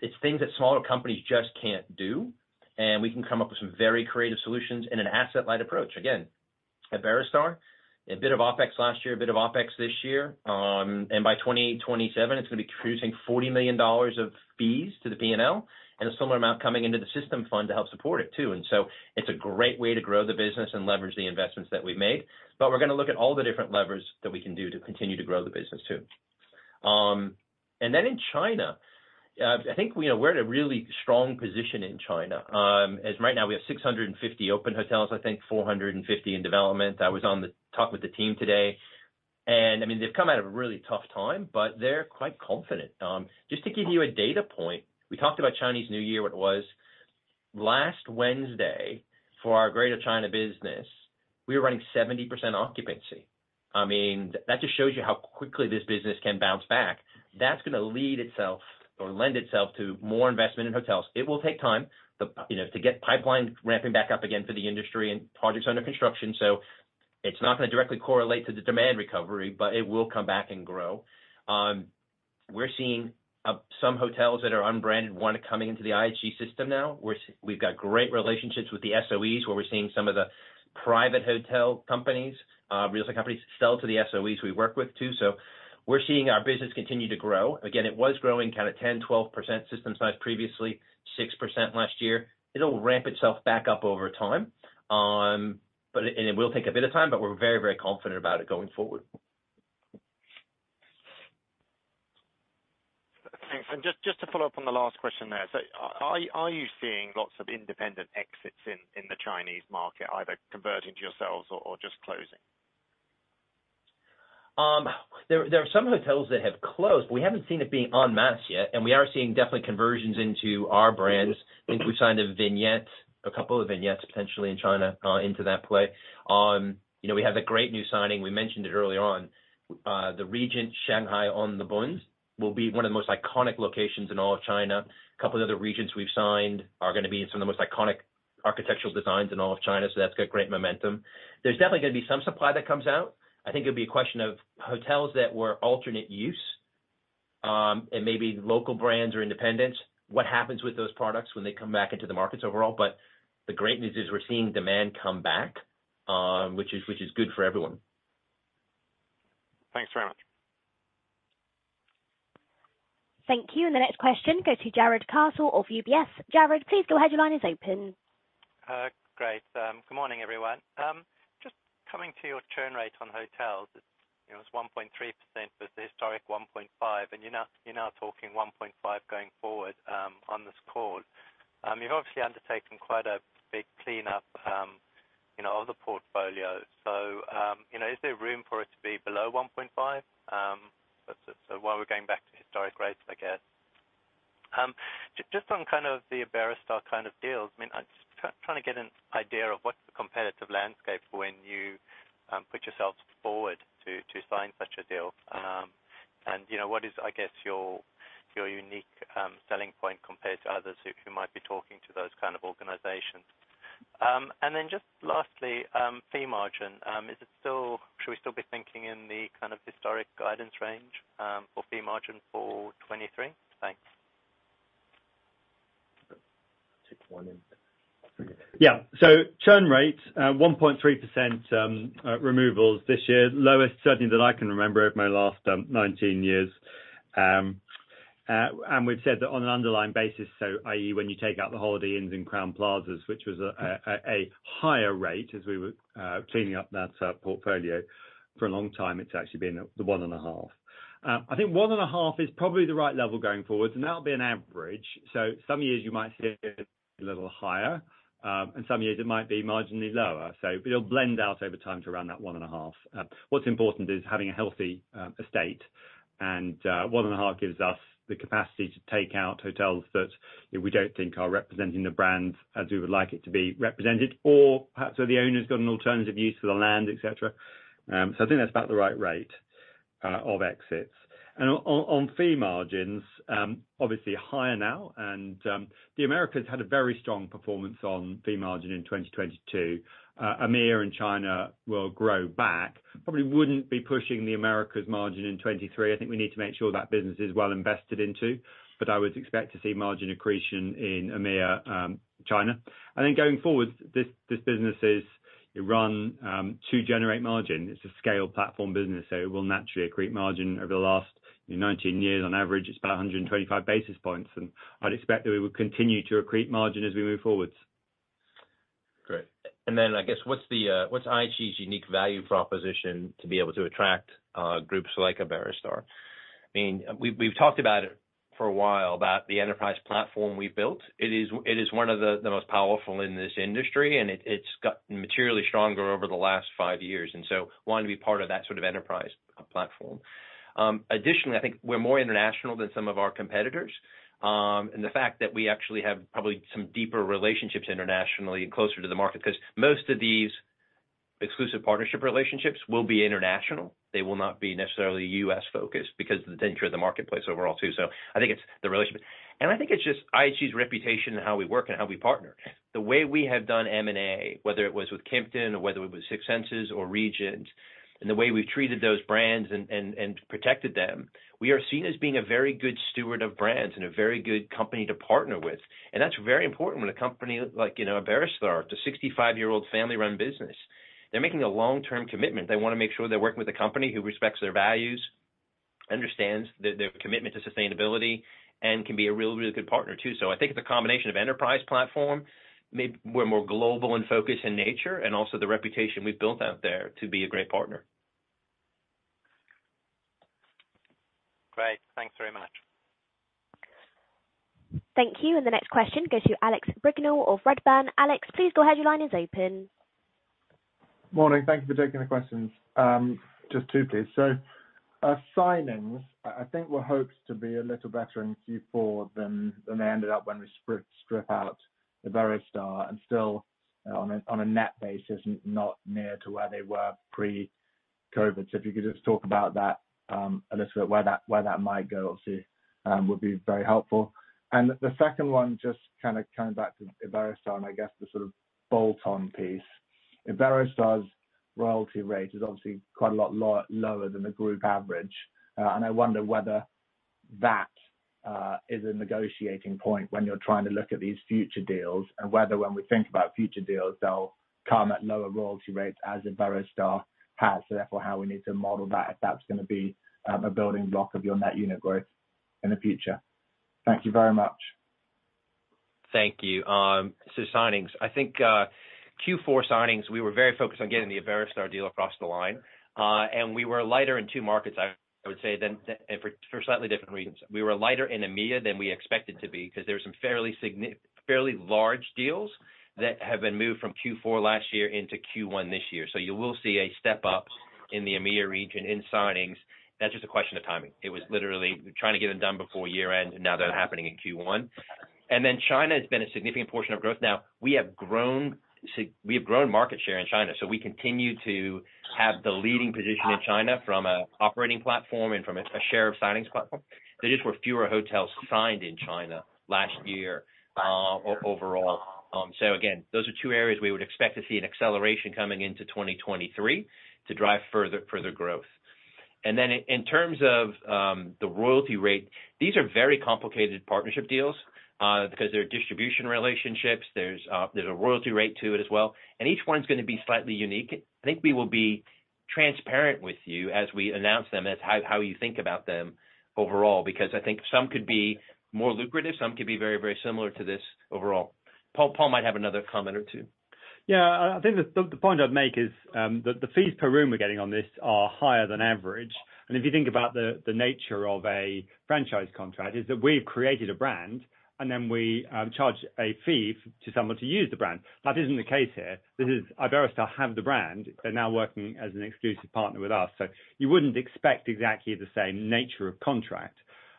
It's things that smaller companies just can't do, and we can come up with some very creative solutions in an asset-light approach. Again, Iberostar, a bit of OpEx last year, a bit of OpEx this year. By 2027, it's gonna be producing $40 million of fees to the P&L and a similar amount coming into the System Fund to help support it too. It's a great way to grow the business and leverage the investments that we've made. We're gonna look at all the different levers that we can do to continue to grow the business too. In China, I think, you know, we're in a really strong position in China. As right now, we have 650 open hotels, I think 450 in development. I was on the talk with the team today, and I mean, they've come out of a really tough time, but they're quite confident. Just to give you a data point, we talked about Chinese New Year, what it was. Last Wednesday, for our Greater China business, we were running 70% occupancy. I mean, that just shows you how quickly this business can bounce back. That's gonna lead itself or lend itself to more investment in hotels. It will take time, you know, to get pipeline ramping back up again for the industry and projects under construction. It's not gonna directly correlate to the demand recovery, but it will come back and grow. We're seeing some hotels that are unbranded, one coming into the IHG system now. We've got great relationships with the SOEs, where we're seeing some of the private hotel companies, real estate companies sell to the SOEs we work with too. We're seeing our business continue to grow. Again, it was growing kind of 10%, 12% system size previously, 6% last year. It'll ramp itself back up over time. It will take a bit of time, but we're very, very confident about it going forward. Thanks. Just to follow up on the last question there. Are you seeing lots of independent exits in the Chinese market, either converting to yourselves or just closing? There are some hotels that have closed. We haven't seen it being on masse yet, and we are seeing definitely conversions into our brands. I think we signed a Vignette, a couple of Vignettes, potentially in China, into that play. You know, we have a great new signing. We mentioned it early on. The Regent Shanghai on The Bund will be one of the most iconic locations in all of China. A couple of other Regents we've signed are gonna be in some of the most iconic architectural designs in all of China, so that's got great momentum. There's definitely gonna be some supply that comes out. I think it'll be a question of hotels that were alternate use, and maybe local brands or independents. What happens with those products when they come back into the markets overall? The great news is we're seeing demand come back, which is good for everyone. Thanks very much. Thank you. The next question goes to Jarrod Castle of UBS. Jarrod, please go ahead. Your line is open. Great. Good morning, everyone. Just coming to your churn rate on hotels, you know, it was 1.3%, with the historic 1.5%, and you're now talking 1.5% going forward on this call. You've obviously undertaken quite a big cleanup, you know, of the portfolio. You know, is there room for it to be below 1.5%? Why we're going back to historic rates, I guess. Just on kind of the Iberostar kind of deals, I mean, I'm just trying to get an idea of what's the competitive landscape when you put yourselves forward to sign such a deal. You know, what is, I guess, your unique selling point compared to others who might be talking to those kind of organizations? Just lastly, fee margin, should we still be thinking in the kind of historic guidance range, for fee margin for 23? Thanks. Take one in. Yeah. Turn rate, 1.3%, removals this year. Lowest certainly that I can remember over my last 19 years. We've said that on an underlying basis, i.e., when you take out the Holiday Inns and Crowne Plazas, which was a higher rate as we were cleaning up that portfolio for a long time, it's actually been the 1.5%. I think 1.5% is probably the right level going forward, and that'll be an average. Some years you might see it a little higher, and some years it might be marginally lower. It'll blend out over time to around that 1.5%. What's important is having a healthy estate. 1.5% gives us the capacity to take out hotels that, you know, we don't think are representing the brand as we would like it to be represented, or perhaps so the owner's got an alternative use for the land, etc. I think that's about the right rate of exits. On fee margins, obviously higher now. The Americas had a very strong performance on fee margin in 2022. EMEA and China will grow back. Probably wouldn't be pushing the Americas margin in 23. I think we need to make sure that business is well invested into, but I would expect to see margin accretion in EMEA, China. Going forward, this business is run to generate margin. It's a scale platform business, so it will naturally accrete margin. Over the last 19 years, on average, it's about 125 basis points, and I'd expect that we would continue to accrete margin as we move forward. Great. Then I guess, what's IHG's unique value proposition to be able to attract groups like Iberostar? I mean, we've talked about it for a while about the enterprise platform we've built. It is one of the most powerful in this industry, and it's gotten materially stronger over the last five years. Wanting to be part of that sort of enterprise platform. Additionally, I think we're more international than some of our competitors, and the fact that we actually have probably some deeper relationships internationally and closer to the market, cause most of these exclusive partnership relationships will be international. They will not be necessarily U.S.-focused because of the nature of the marketplace overall too. I think it's the relationship. I think it's just IHG's reputation and how we work and how we partner. The way we have done M&A, whether it was with Kimpton or whether it was with Six Senses or Regent, and the way we've treated those brands and protected them, we are seen as being a very good steward of brands and a very good company to partner with. That's very important when a company like, you know, Iberostar, it's a 65-year-old family-run business. They're making a long-term commitment. They wanna make sure they're working with a company who respects their values, understands their commitment to sustainability, and can be a really good partner too. I think it's a combination of enterprise platform, we're more global in focus and nature, and also the reputation we've built out there to be a great partner. Great. Thanks very much. Thank you. The next question goes to Alex Brignall of Redburn. Alex, please go ahead. Your line is open. Morning. Thank you for taking the questions. Just two, please. Signings, I think were hoped to be a little better in Q4 than they ended up when we strip out Iberostar and still on a, on a net basis, not near to where they were pre-COVID. If you could just talk about that a little bit, where that might go obviously, would be very helpful. The second one, just kinda coming back to Iberostar and I guess the sort of bolt-on piece. Iberostar's royalty rate is obviously quite a lot lower than the group average. I wonder whether that is a negotiating point when you're trying to look at these future deals and whether when we think about future deals, they'll come at lower royalty rates as Iberostar has, therefore, how we need to model that if that's gonna be a building block of your net unit growth in the future. Thank you very much. Thank you. Signings. I think, Q4 signings, we were very focused on getting the Iberostar deal across the line. We were lighter in two markets, I would say, for slightly different reasons. We were lighter in EMEA than we expected to be cause there were some fairly large deals that have been moved from Q4 last year into Q1 this year. You will see a step up in the EMEA region in signings. That's just a question of timing. It was literally trying to get it done before year-end, and now they're happening in Q1. China has been a significant portion of growth. We have grown market share in China. We continue to have the leading position in China from an operating platform and from a share of signings platform. There just were fewer hotels signed in China last year overall. Again, those are two areas we would expect to see an acceleration coming into 2023 to drive further growth. In terms of the royalty rate, these are very complicated partnership deals because there are distribution relationships. There's a royalty rate to it as well. Each one's gonna be slightly unique. I think we will be transparent with you as we announce them as how you think about them overall, because I think some could be more lucrative, some could be very similar to this overall. Paul might have another comment or two. Yeah. I think the point I'd make is, the fees per room we're getting on this are higher than average. If you think about the nature of a franchise contract, is that we've created a brand, and then we charge a fee to someone to use the brand. That isn't the case here. This is Iberostar have the brand. They're now working as an exclusive partner with us. You wouldn't expect exactly the same nature of contract.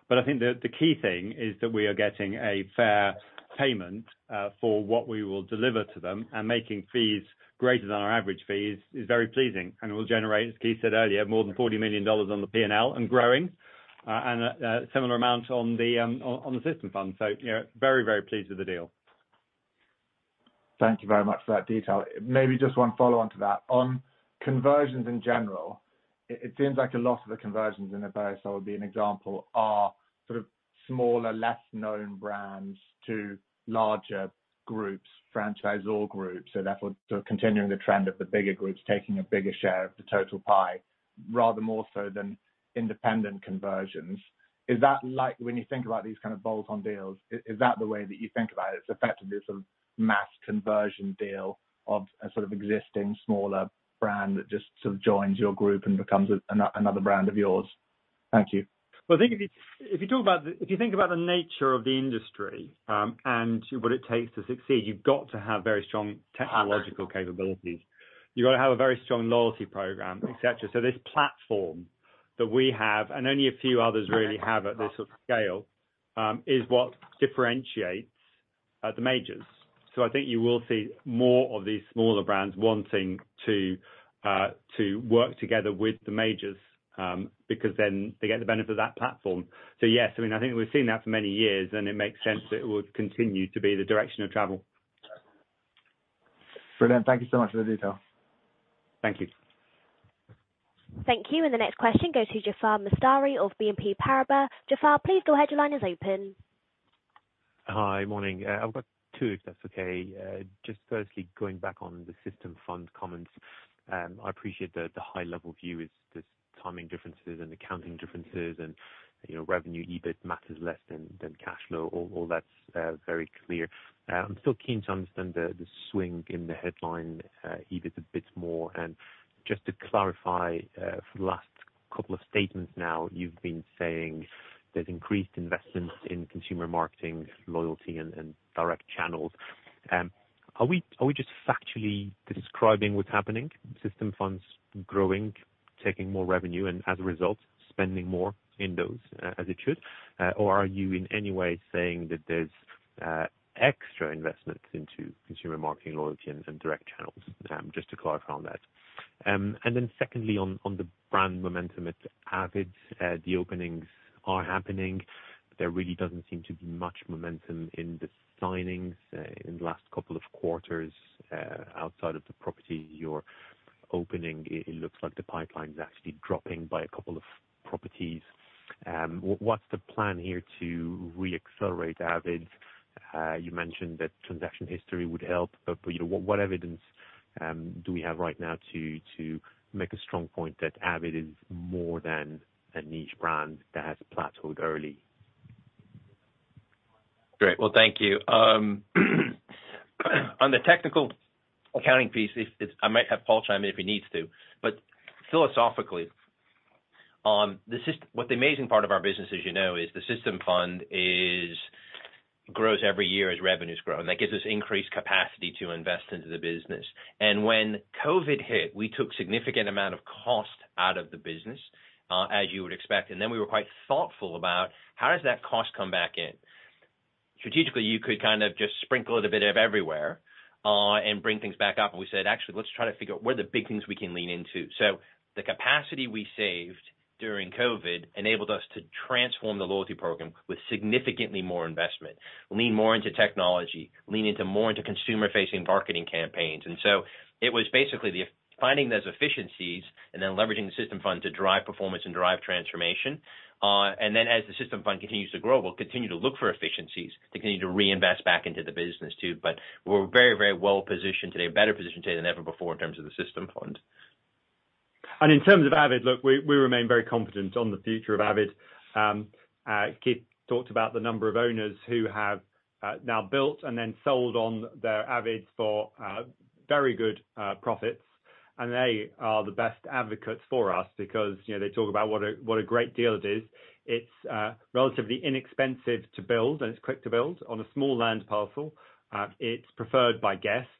I think the key thing is that we are getting a fair payment for what we will deliver to them, and making fees greater than our average fees is very pleasing and will generate, as Keith said earlier, more than $40 million on the P&L and growing, and a similar amount on the System Fund. You know, very, very pleased with the deal. Thank you very much for that detail. Maybe just one follow-on to that. On conversions in general, it seems like a lot of the conversions in Iberostar would be an example, are sort of smaller, less known brands to larger groups, franchisor groups, so therefore sort of continuing the trend of the bigger groups taking a bigger share of the total pie, rather more so than independent conversions. Is that like, when you think about these kind of bolt-on deals, is that the way that you think about it? It's effectively a sort of mass conversion deal of a sort of existing smaller brand that just sort of joins your group and becomes another brand of yours. Thank you. Well, I think if you, if you talk about if you think about the nature of the industry, and what it takes to succeed, you've got to have very strong technological capabilities. You've got to have a very strong loyalty program, etc. This platform that we have, and only a few others really have at this sort of scale, is what differentiates the majors. I think you will see more of these smaller brands wanting to work together with the majors, because then they get the benefit of that platform. Yes, I mean, I think we've seen that for many years, and it makes sense that it would continue to be the direction of travel. Brilliant. Thank you so much for the detail. Thank you. Thank you. The next question goes to Jaafar Mestari of BNP Paribas. Jaafar, please go ahead. Your line is open. Hi. Morning. I've got two, if that's okay. Just firstly, going back on the System Fund comments, I appreciate that the high level view is just timing differences and accounting differences and, you know, revenue EBIT matters less than cash flow. All that's very clear. I'm still keen to understand the swing in the headline EBIT a bit more. Just to clarify, for the last couple of statements now, you've been saying there's increased investment in consumer marketing, loyalty and direct channels. Are we just factually describing what's happening, System Funds growing, taking more revenue and as a result, spending more in those, as it should? Or are you in any way saying that there's extra investments into consumer marketing, loyalty and direct channels? Just to clarify on that. Then secondly, on the brand momentum at avid, the openings are happening. There really doesn't seem to be much momentum in the signings in the last couple of quarters outside of the property you're opening. It looks like the pipeline's actually dropping by a couple of properties. What's the plan here to re-accelerate avid? You mentioned that transaction history would help, but, you know, what evidence do we have right now to make a strong point that avid is more than a niche brand that has plateaued early? Great. Well, thank you. On the technical accounting piece, if I might have Paul chime in if he needs to. Philosophically, on the System Fund what the amazing part of our business as you know is, the System Fund grows every year as revenues grow, and that gives us increased capacity to invest into the business. When COVID hit, we took significant amount of cost out of the business, as you would expect, and then we were quite thoughtful about how does that cost come back in. Strategically, you could kind of just sprinkle it a bit of everywhere, bring things back up, we said, "Actually, let's try to figure out what are the big things we can lean into?" The capacity we saved during COVID enabled us to transform the loyalty program with significantly more investment, lean more into technology, lean into more into consumer-facing marketing campaigns. It was basically finding those efficiencies and then leveraging the System Fund to drive performance and drive transformation. As the System Fund continues to grow, we'll continue to look for efficiencies to continue to reinvest back into the business, too. We're very, very well positioned today, better positioned today than ever before in terms of the System Fund. In terms of avid, look, we remain very confident on the future of avid. Keith talked about the number of owners who have now built and then sold on their avids for very good profits. They are the best advocates for us because, you know, they talk about what a great deal it is. It's relatively inexpensive to build, and it's quick to build on a small land parcel. It's preferred by guests.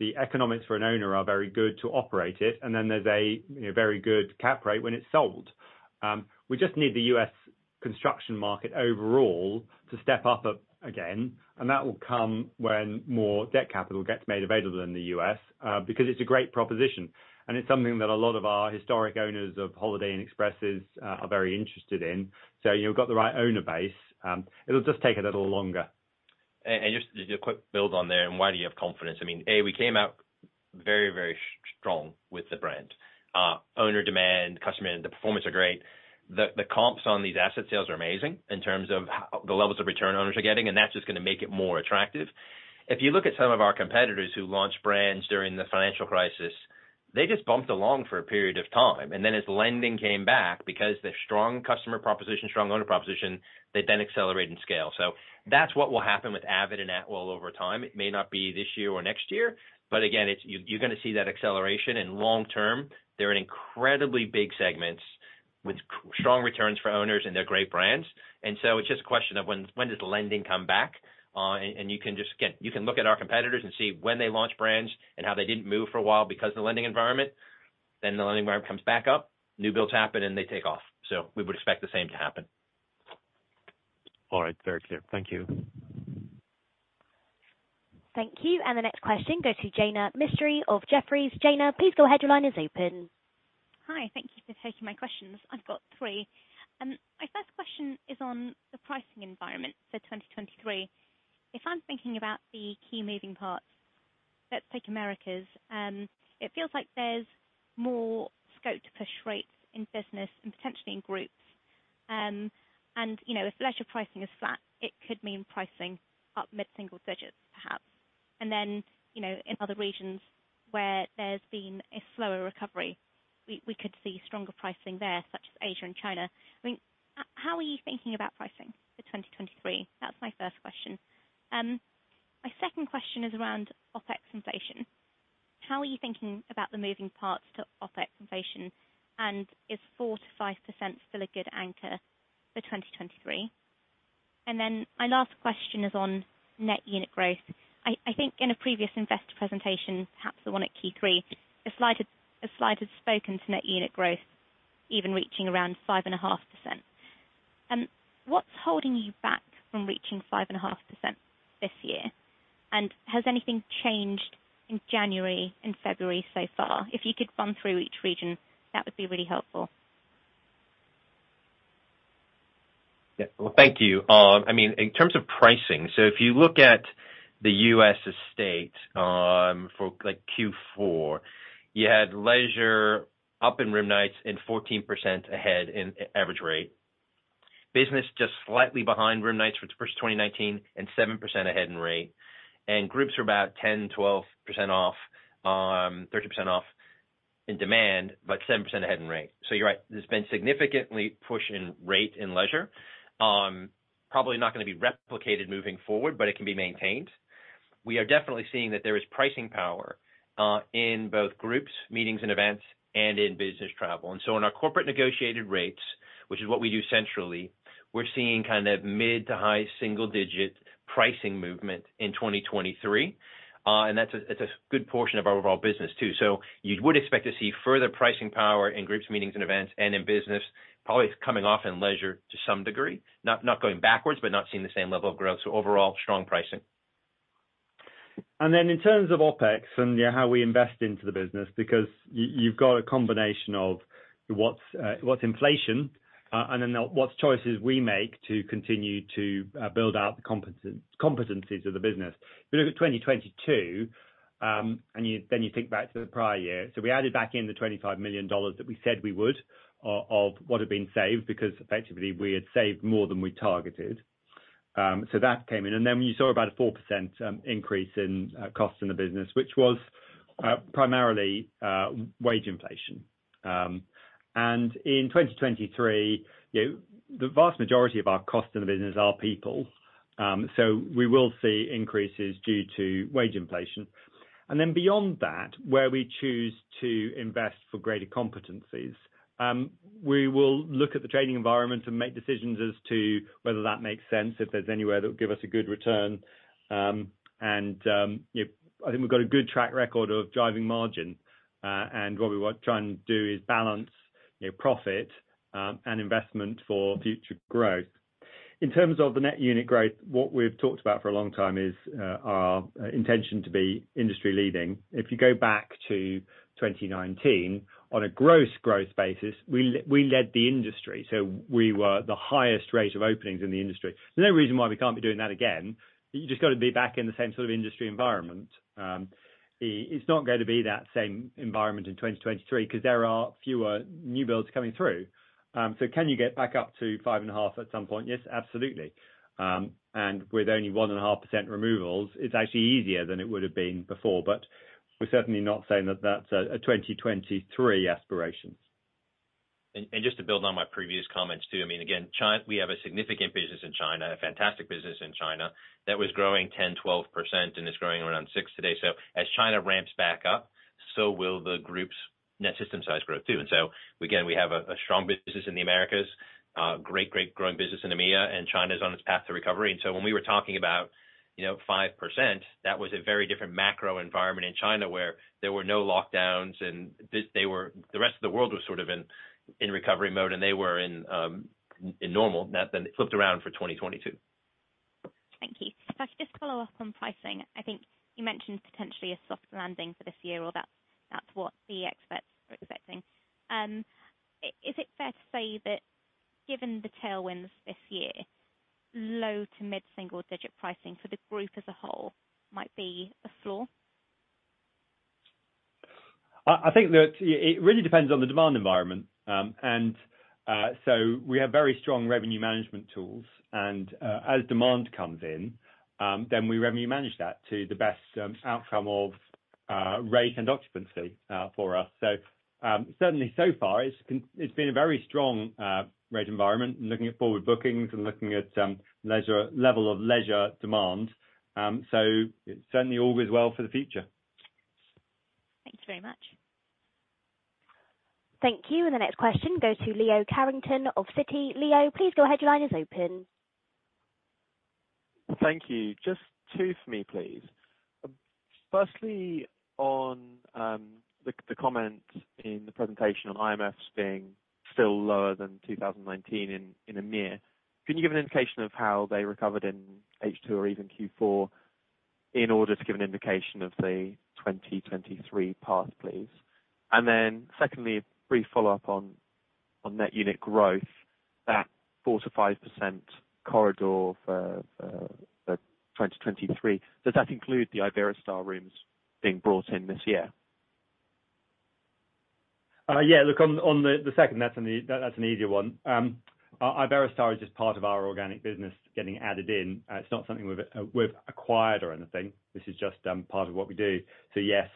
The economics for an owner are very good to operate it, and then there's a, you know, very good cap rate when it's sold. We just need the U.S. construction market overall to step up again, and that will come when more debt capital gets made available in the U.S. because it's a great proposition. It's something that a lot of our historic owners of Holiday Inn Expresses are very interested in. You've got the right owner base, it'll just take a little longer. Just a quick build on there, why do you have confidence? I mean, A, we came out very strong with the brand. Owner demand, customer, the performance are great. The comps on these asset sales are amazing in terms of the levels of return owners are getting, that's just gonna make it more attractive. If you look at some of our competitors who launched brands during the financial crisis, they just bumped along for a period of time. As lending came back, because their strong customer proposition, strong owner proposition, they then accelerate and scale. That's what will happen with avid and Atwell over time. It may not be this year or next year, but again, you're gonna see that acceleration. Long term, they're in incredibly big segments with strong returns for owners, and they're great brands. It's just a question of when does lending come back? Again, you can look at our competitors and see when they launch brands and how they didn't move for a while because of the lending environment. The lending environment comes back up, new builds happen, and they take off. We would expect the same to happen. All right. Very clear. Thank you. Thank you. The next question goes to Jaina Mistry of Jefferies. Jaina, please go ahead. Your line is open. Hi. Thank you for taking my questions. I've got three. My first question is on the pricing environment for 2023. If I'm thinking about the key moving parts, let's take Americas. It feels like there's more scope to push rates in business and potentially in groups. You know, if leisure pricing is flat, it could mean pricing up mid-single digits perhaps. You know, in other regions where there's been a slower recovery, we could see stronger pricing there, such as Asia and China. I mean, how are you thinking about pricing for 2023? That's my first question. My second question is around OpEx inflation. How are you thinking about the moving parts to OpEx inflation? Is 4%-5% still a good anchor for 2023? My last question is on net unit growth. I think in a previous investor presentation, perhaps the one at Q3, a slide had spoken to net unit growth even reaching around 5.5%. What's holding you back from reaching 5.5% this year? Has anything changed in January and February so far? If you could run through each region, that would be really helpful. Well, thank you. I mean, in terms of pricing, if you look at the U.S. estate, for like Q4, you had leisure up in room nights and 14% ahead in average rate. Business just slightly behind room nights for 2019 and 7% ahead in rate. Groups were about 10%-12% off, 13% off in demand, but 10% ahead in rate. You're right, there's been significantly push in rate in leisure. Probably not gonna be replicated moving forward, but it can be maintained. We are definitely seeing that there is pricing power in both groups, meetings and events, and in business travel. In our corporate negotiated rates, which is what we do centrally, we're seeing kind of mid to high single-digit pricing movement in 2023. That's a good portion of our overall business too. You would expect to see further pricing power in groups, meetings and events and in business, probably coming off in leisure to some degree, not going backwards, but not seeing the same level of growth. Overall strong pricing. Then in terms of OpEx and, yeah, how we invest into the business because you've got a combination of what's inflation and then what choices we make to continue to build out the competencies of the business. If you look at 2022, and you, then you think back to the prior year, we added back in the $25 million that we said we would of what had been saved, because effectively we had saved more than we targeted. That came in. Then you saw about a 4% increase in cost in the business, which was primarily wage inflation. In 2023, you know, the vast majority of our costs in the business are people, so we will see increases due to wage inflation. Beyond that, where we choose to invest for greater competencies, we will look at the trading environment and make decisions as to whether that makes sense, if there's anywhere that will give us a good return. You know, I think we've got a good track record of driving margin. What we were trying to do is balance, you know, profit, and investment for future growth. In terms of the net unit growth, what we've talked about for a long time is our intention to be industry leading. If you go back to 2019, on a gross growth basis, we led the industry, so we were the highest rate of openings in the industry. There's no reason why we can't be doing that again. You just got to be back in the same sort of industry environment. It's not going to be that same environment in 2023 because there are fewer new builds coming through. Can you get back up to 5.5% at some point? Yes, absolutely. With only 1.5% removals, it's actually easier than it would have been before. We're certainly not saying that that's a 2023 aspiration. Just to build on my previous comments too, I mean, again, we have a significant business in China, a fantastic business in China that was growing 10%, 12% and is growing around 6% today. As China ramps back up, so will the group's net system size growth too. Again, we have a strong business in the Americas, great growing business in EMEA, and China's on its path to recovery. When we were talking about, you know, 5%, that was a very different macro environment in China where there were no lockdowns and the rest of the world was sort of in recovery mode and they were in normal. It flipped around for 2022. Thank you. If I could just follow up on pricing. I think you mentioned potentially a soft landing for this year or that's what the experts are expecting. Is it fair to say that given the tailwinds this year, low to mid-single digit pricing for the group as a whole might be a floor? I think that it really depends on the demand environment. We have very strong revenue management tools and as demand comes in, then we revenue manage that to the best outcome of rate and occupancy for us. Certainly so far it's been a very strong rate environment looking at forward bookings and looking at level of leisure demand. It certainly all bodes well for the future. Thanks very much. Thank you. The next question goes to Leo Carrington of Citi. Leo, please go ahead. Your line is open. Thank you. Just two for me, please. Firstly on, the comment in the presentation on IMFs being still lower than 2019 in EMEA. Can you give an indication of how they recovered in H2 or even Q4 in order to give an indication of the 2023 path, please? Then secondly, a brief follow-up on net unit growth, that 4%-5% corridor for 2023. Does that include the Iberostar rooms being brought in this year? Yeah. Look, on the second, that's an easier one. Iberostar is just part of our organic business getting added in. It's not something we've acquired or anything. This is just part of what we do. Yes.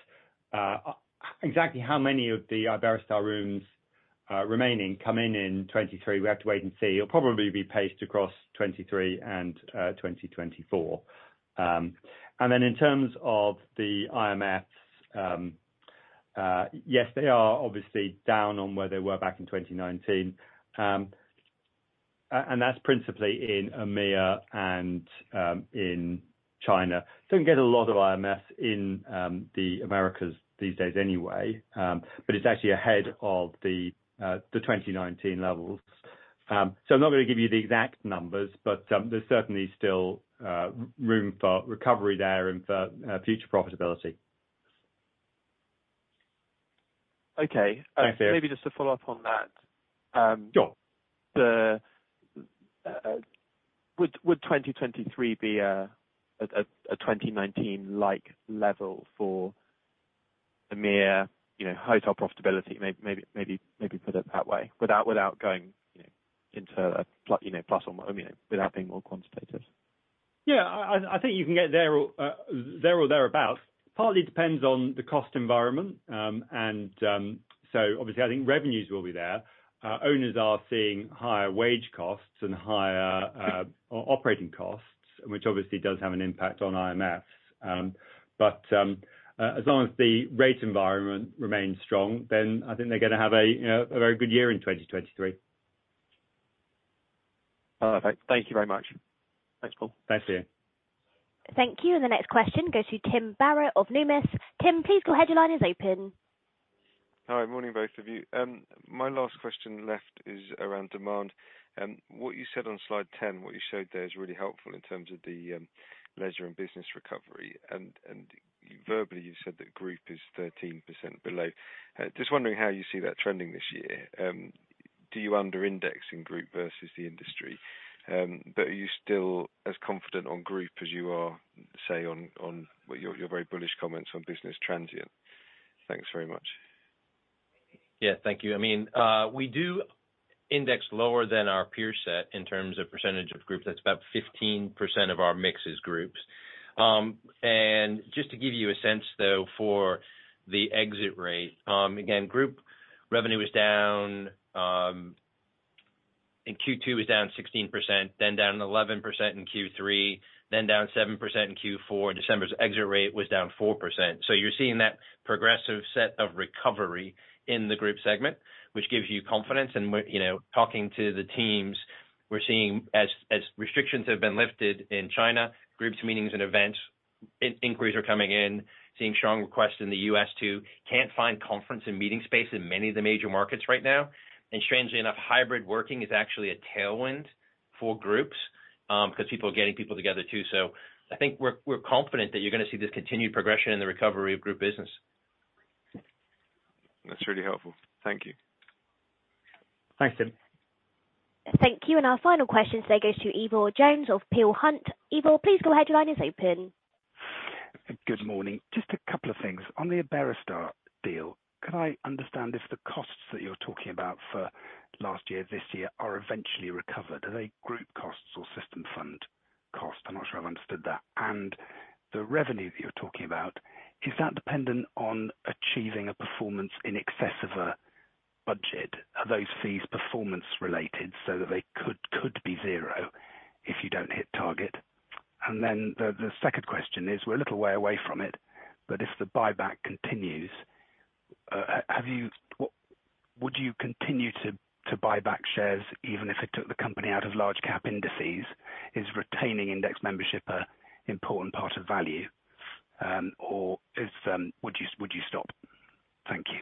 Exactly how many of the Iberostar rooms remaining come in in 2023, we have to wait and see. It'll probably be paced across 2023 and 2024. In terms of the IMFs, yes, they are obviously down on where they were back in 2019. That's principally in EMEA and in China. Don't get a lot of IMFs in the Americas these days anyway, it's actually ahead of the 2019 levels. I'm not gonna give you the exact numbers, but there's certainly still room for recovery there and for future profitability. Okay. Thanks, Leo. Maybe just to follow up on that. Sure. The, Would 2023 be a 2019-like level for EMEA, you know, hotel profitability? Maybe put it that way without going, you know, into a, you know, plus or, you know, without being more quantitative. I think you can get there or thereabout. Partly depends on the cost environment. Obviously I think revenues will be there. Owners are seeing higher wage costs and higher operating costs, which obviously does have an impact on IMFs. As long as the rate environment remains strong, then I think they're gonna have a very good year in 2023. Perfect. Thank you very much. Thanks, Paul. Thanks, Leo. Thank you. The next question goes to Tim Barrett of Numis. Tim, please go ahead. Your line is open. Hi. Morning, both of you. My last question left is around demand. What you said on slide 10, what you showed there is really helpful in terms of the leisure and business recovery and verbally you said the group is 13% below. Just wondering how you see that trending this year. Do you under-index in group versus the industry? Are you still as confident on group as you are, say on what your very bullish comments on business transient? Thanks very much. Yeah, thank you. I mean, we do index lower than our peer set in terms of percentage of group. That's about 15% of our mix is groups. Just to give you a sense though for the exit rate, again, group revenue was down in Q2 was down 16%, then down 11% in Q3, then down 7% in Q4. December's exit rate was down 4%. You're seeing that progressive set of recovery in the group segment, which gives you confidence. We're, you know, talking to the teams, we're seeing as restrictions have been lifted in China, groups, meetings and events inquiries are coming in, seeing strong requests in the U.S. too. Can't find conference and meeting space in many of the major markets right now. Strangely enough, hybrid working is actually a tailwind for groups, cause people are getting people together too. I think we're confident that you're gonna see this continued progression in the recovery of group business. That's really helpful. Thank you. Thanks, Tim. Thank you. Our final question today goes to Ivor Jones of Peel Hunt. Ivor, please go ahead. Your line is open. Good morning. Just a couple of things. On the Iberostar deal, could I understand if the costs that you're talking about for last year, this year are eventually recovered? Are they group costs or System Fund cost? I'm not sure I've understood that. The revenue that you're talking about, is that dependent on achieving a performance in excess of a budget? Are those fees performance-related so that they could be zero if you don't hit target? The second question is, we're a little way away from it, but if the buyback continues, would you continue to buy back shares even if it took the company out of large cap indices? Is retaining index membership a important part of value? Is, would you stop? Thank you.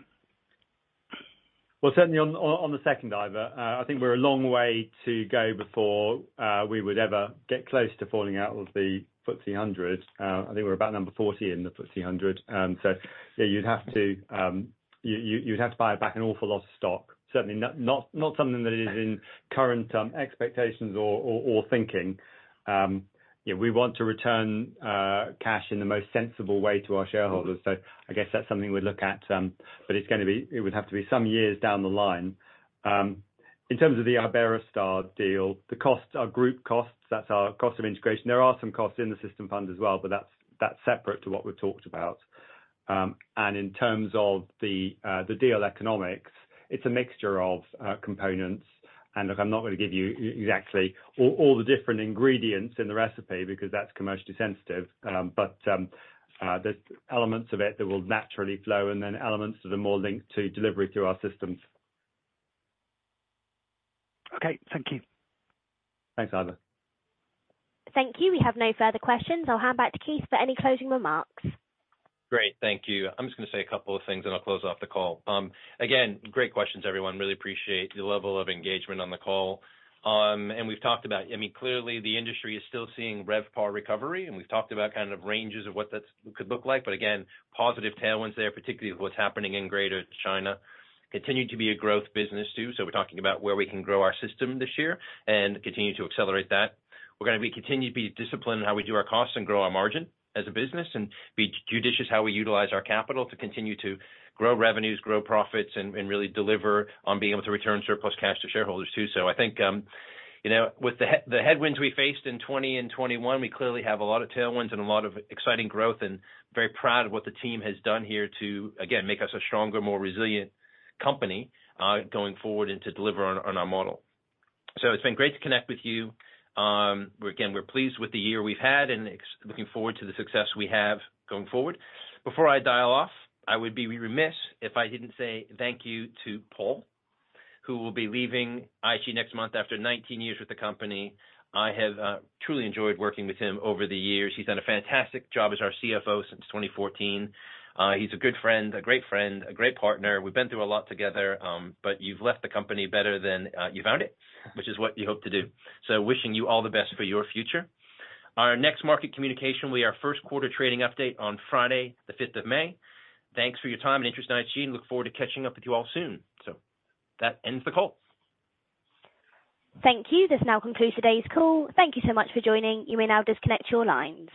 Well, certainly on the second, Ivor, I think we're a long way to go before we would ever get close to falling out of the FTSE 100. I think we're about number 40 in the FTSE 100. Yeah, you'd have to, you'd have to buy back an awful lot of stock. Certainly not something that is in current expectations or thinking. Yeah, we want to return cash in the most sensible way to our shareholders. I guess that's something we'd look at, but it would have to be some years down the line. In terms of the Iberostar deal, the costs are group costs. That's our cost of integration. There are some costs in the System Fund as well, but that's separate to what we've talked about. In terms of the deal economics, it's a mixture of components. Look, I'm not gonna give you exactly all the different ingredients in the recipe because that's commercially sensitive. There's elements of it that will naturally flow and then elements that are more linked to delivery through our systems. Okay. Thank you. Thanks, Ivor. Thank you. We have no further questions. I'll hand back to Keith for any closing remarks. Great, thank you. I'm just gonna say a couple of things, I'll close off the call. Again, great questions, everyone. Really appreciate your level of engagement on the call. We've talked about, I mean, clearly the industry is still seeing RevPAR recovery, and we've talked about kind of ranges of what that could look like. Again, positive tailwinds there, particularly with what's happening in Greater China. Continue to be a growth business too. We're talking about where we can grow our system this year and continue to accelerate that. We're gonna continue to be disciplined in how we do our costs and grow our margin as a business and be judicious how we utilize our capital to continue to grow revenues, grow profits, and really deliver on being able to return surplus cash to shareholders too. I think, you know, with the headwinds we faced in 2020 and 2021, we clearly have a lot of tailwinds and a lot of exciting growth and very proud of what the team has done here to, again, make us a stronger, more resilient company, going forward and to deliver on our model. It's been great to connect with you. Again, we're pleased with the year we've had and looking forward to the success we have going forward. Before I dial off, I would be remiss if I didn't say thank you to Paul, who will be leaving IHG next month after 19 years with the company. I have truly enjoyed working with him over the years. He's done a fantastic job as our CFO since 2014. He's a good friend, a great friend, a great partner. We've been through a lot together, you've left the company better than you found it, which is what you hope to do. Wishing you all the best for your future. Our next market communication will be our first quarter trading update on Friday, the fifth of May. Thanks for your time and interest in IHG. Look forward to catching up with you all soon. That ends the call. Thank you. This now concludes today's call. Thank you so much for joining. You may now disconnect your lines.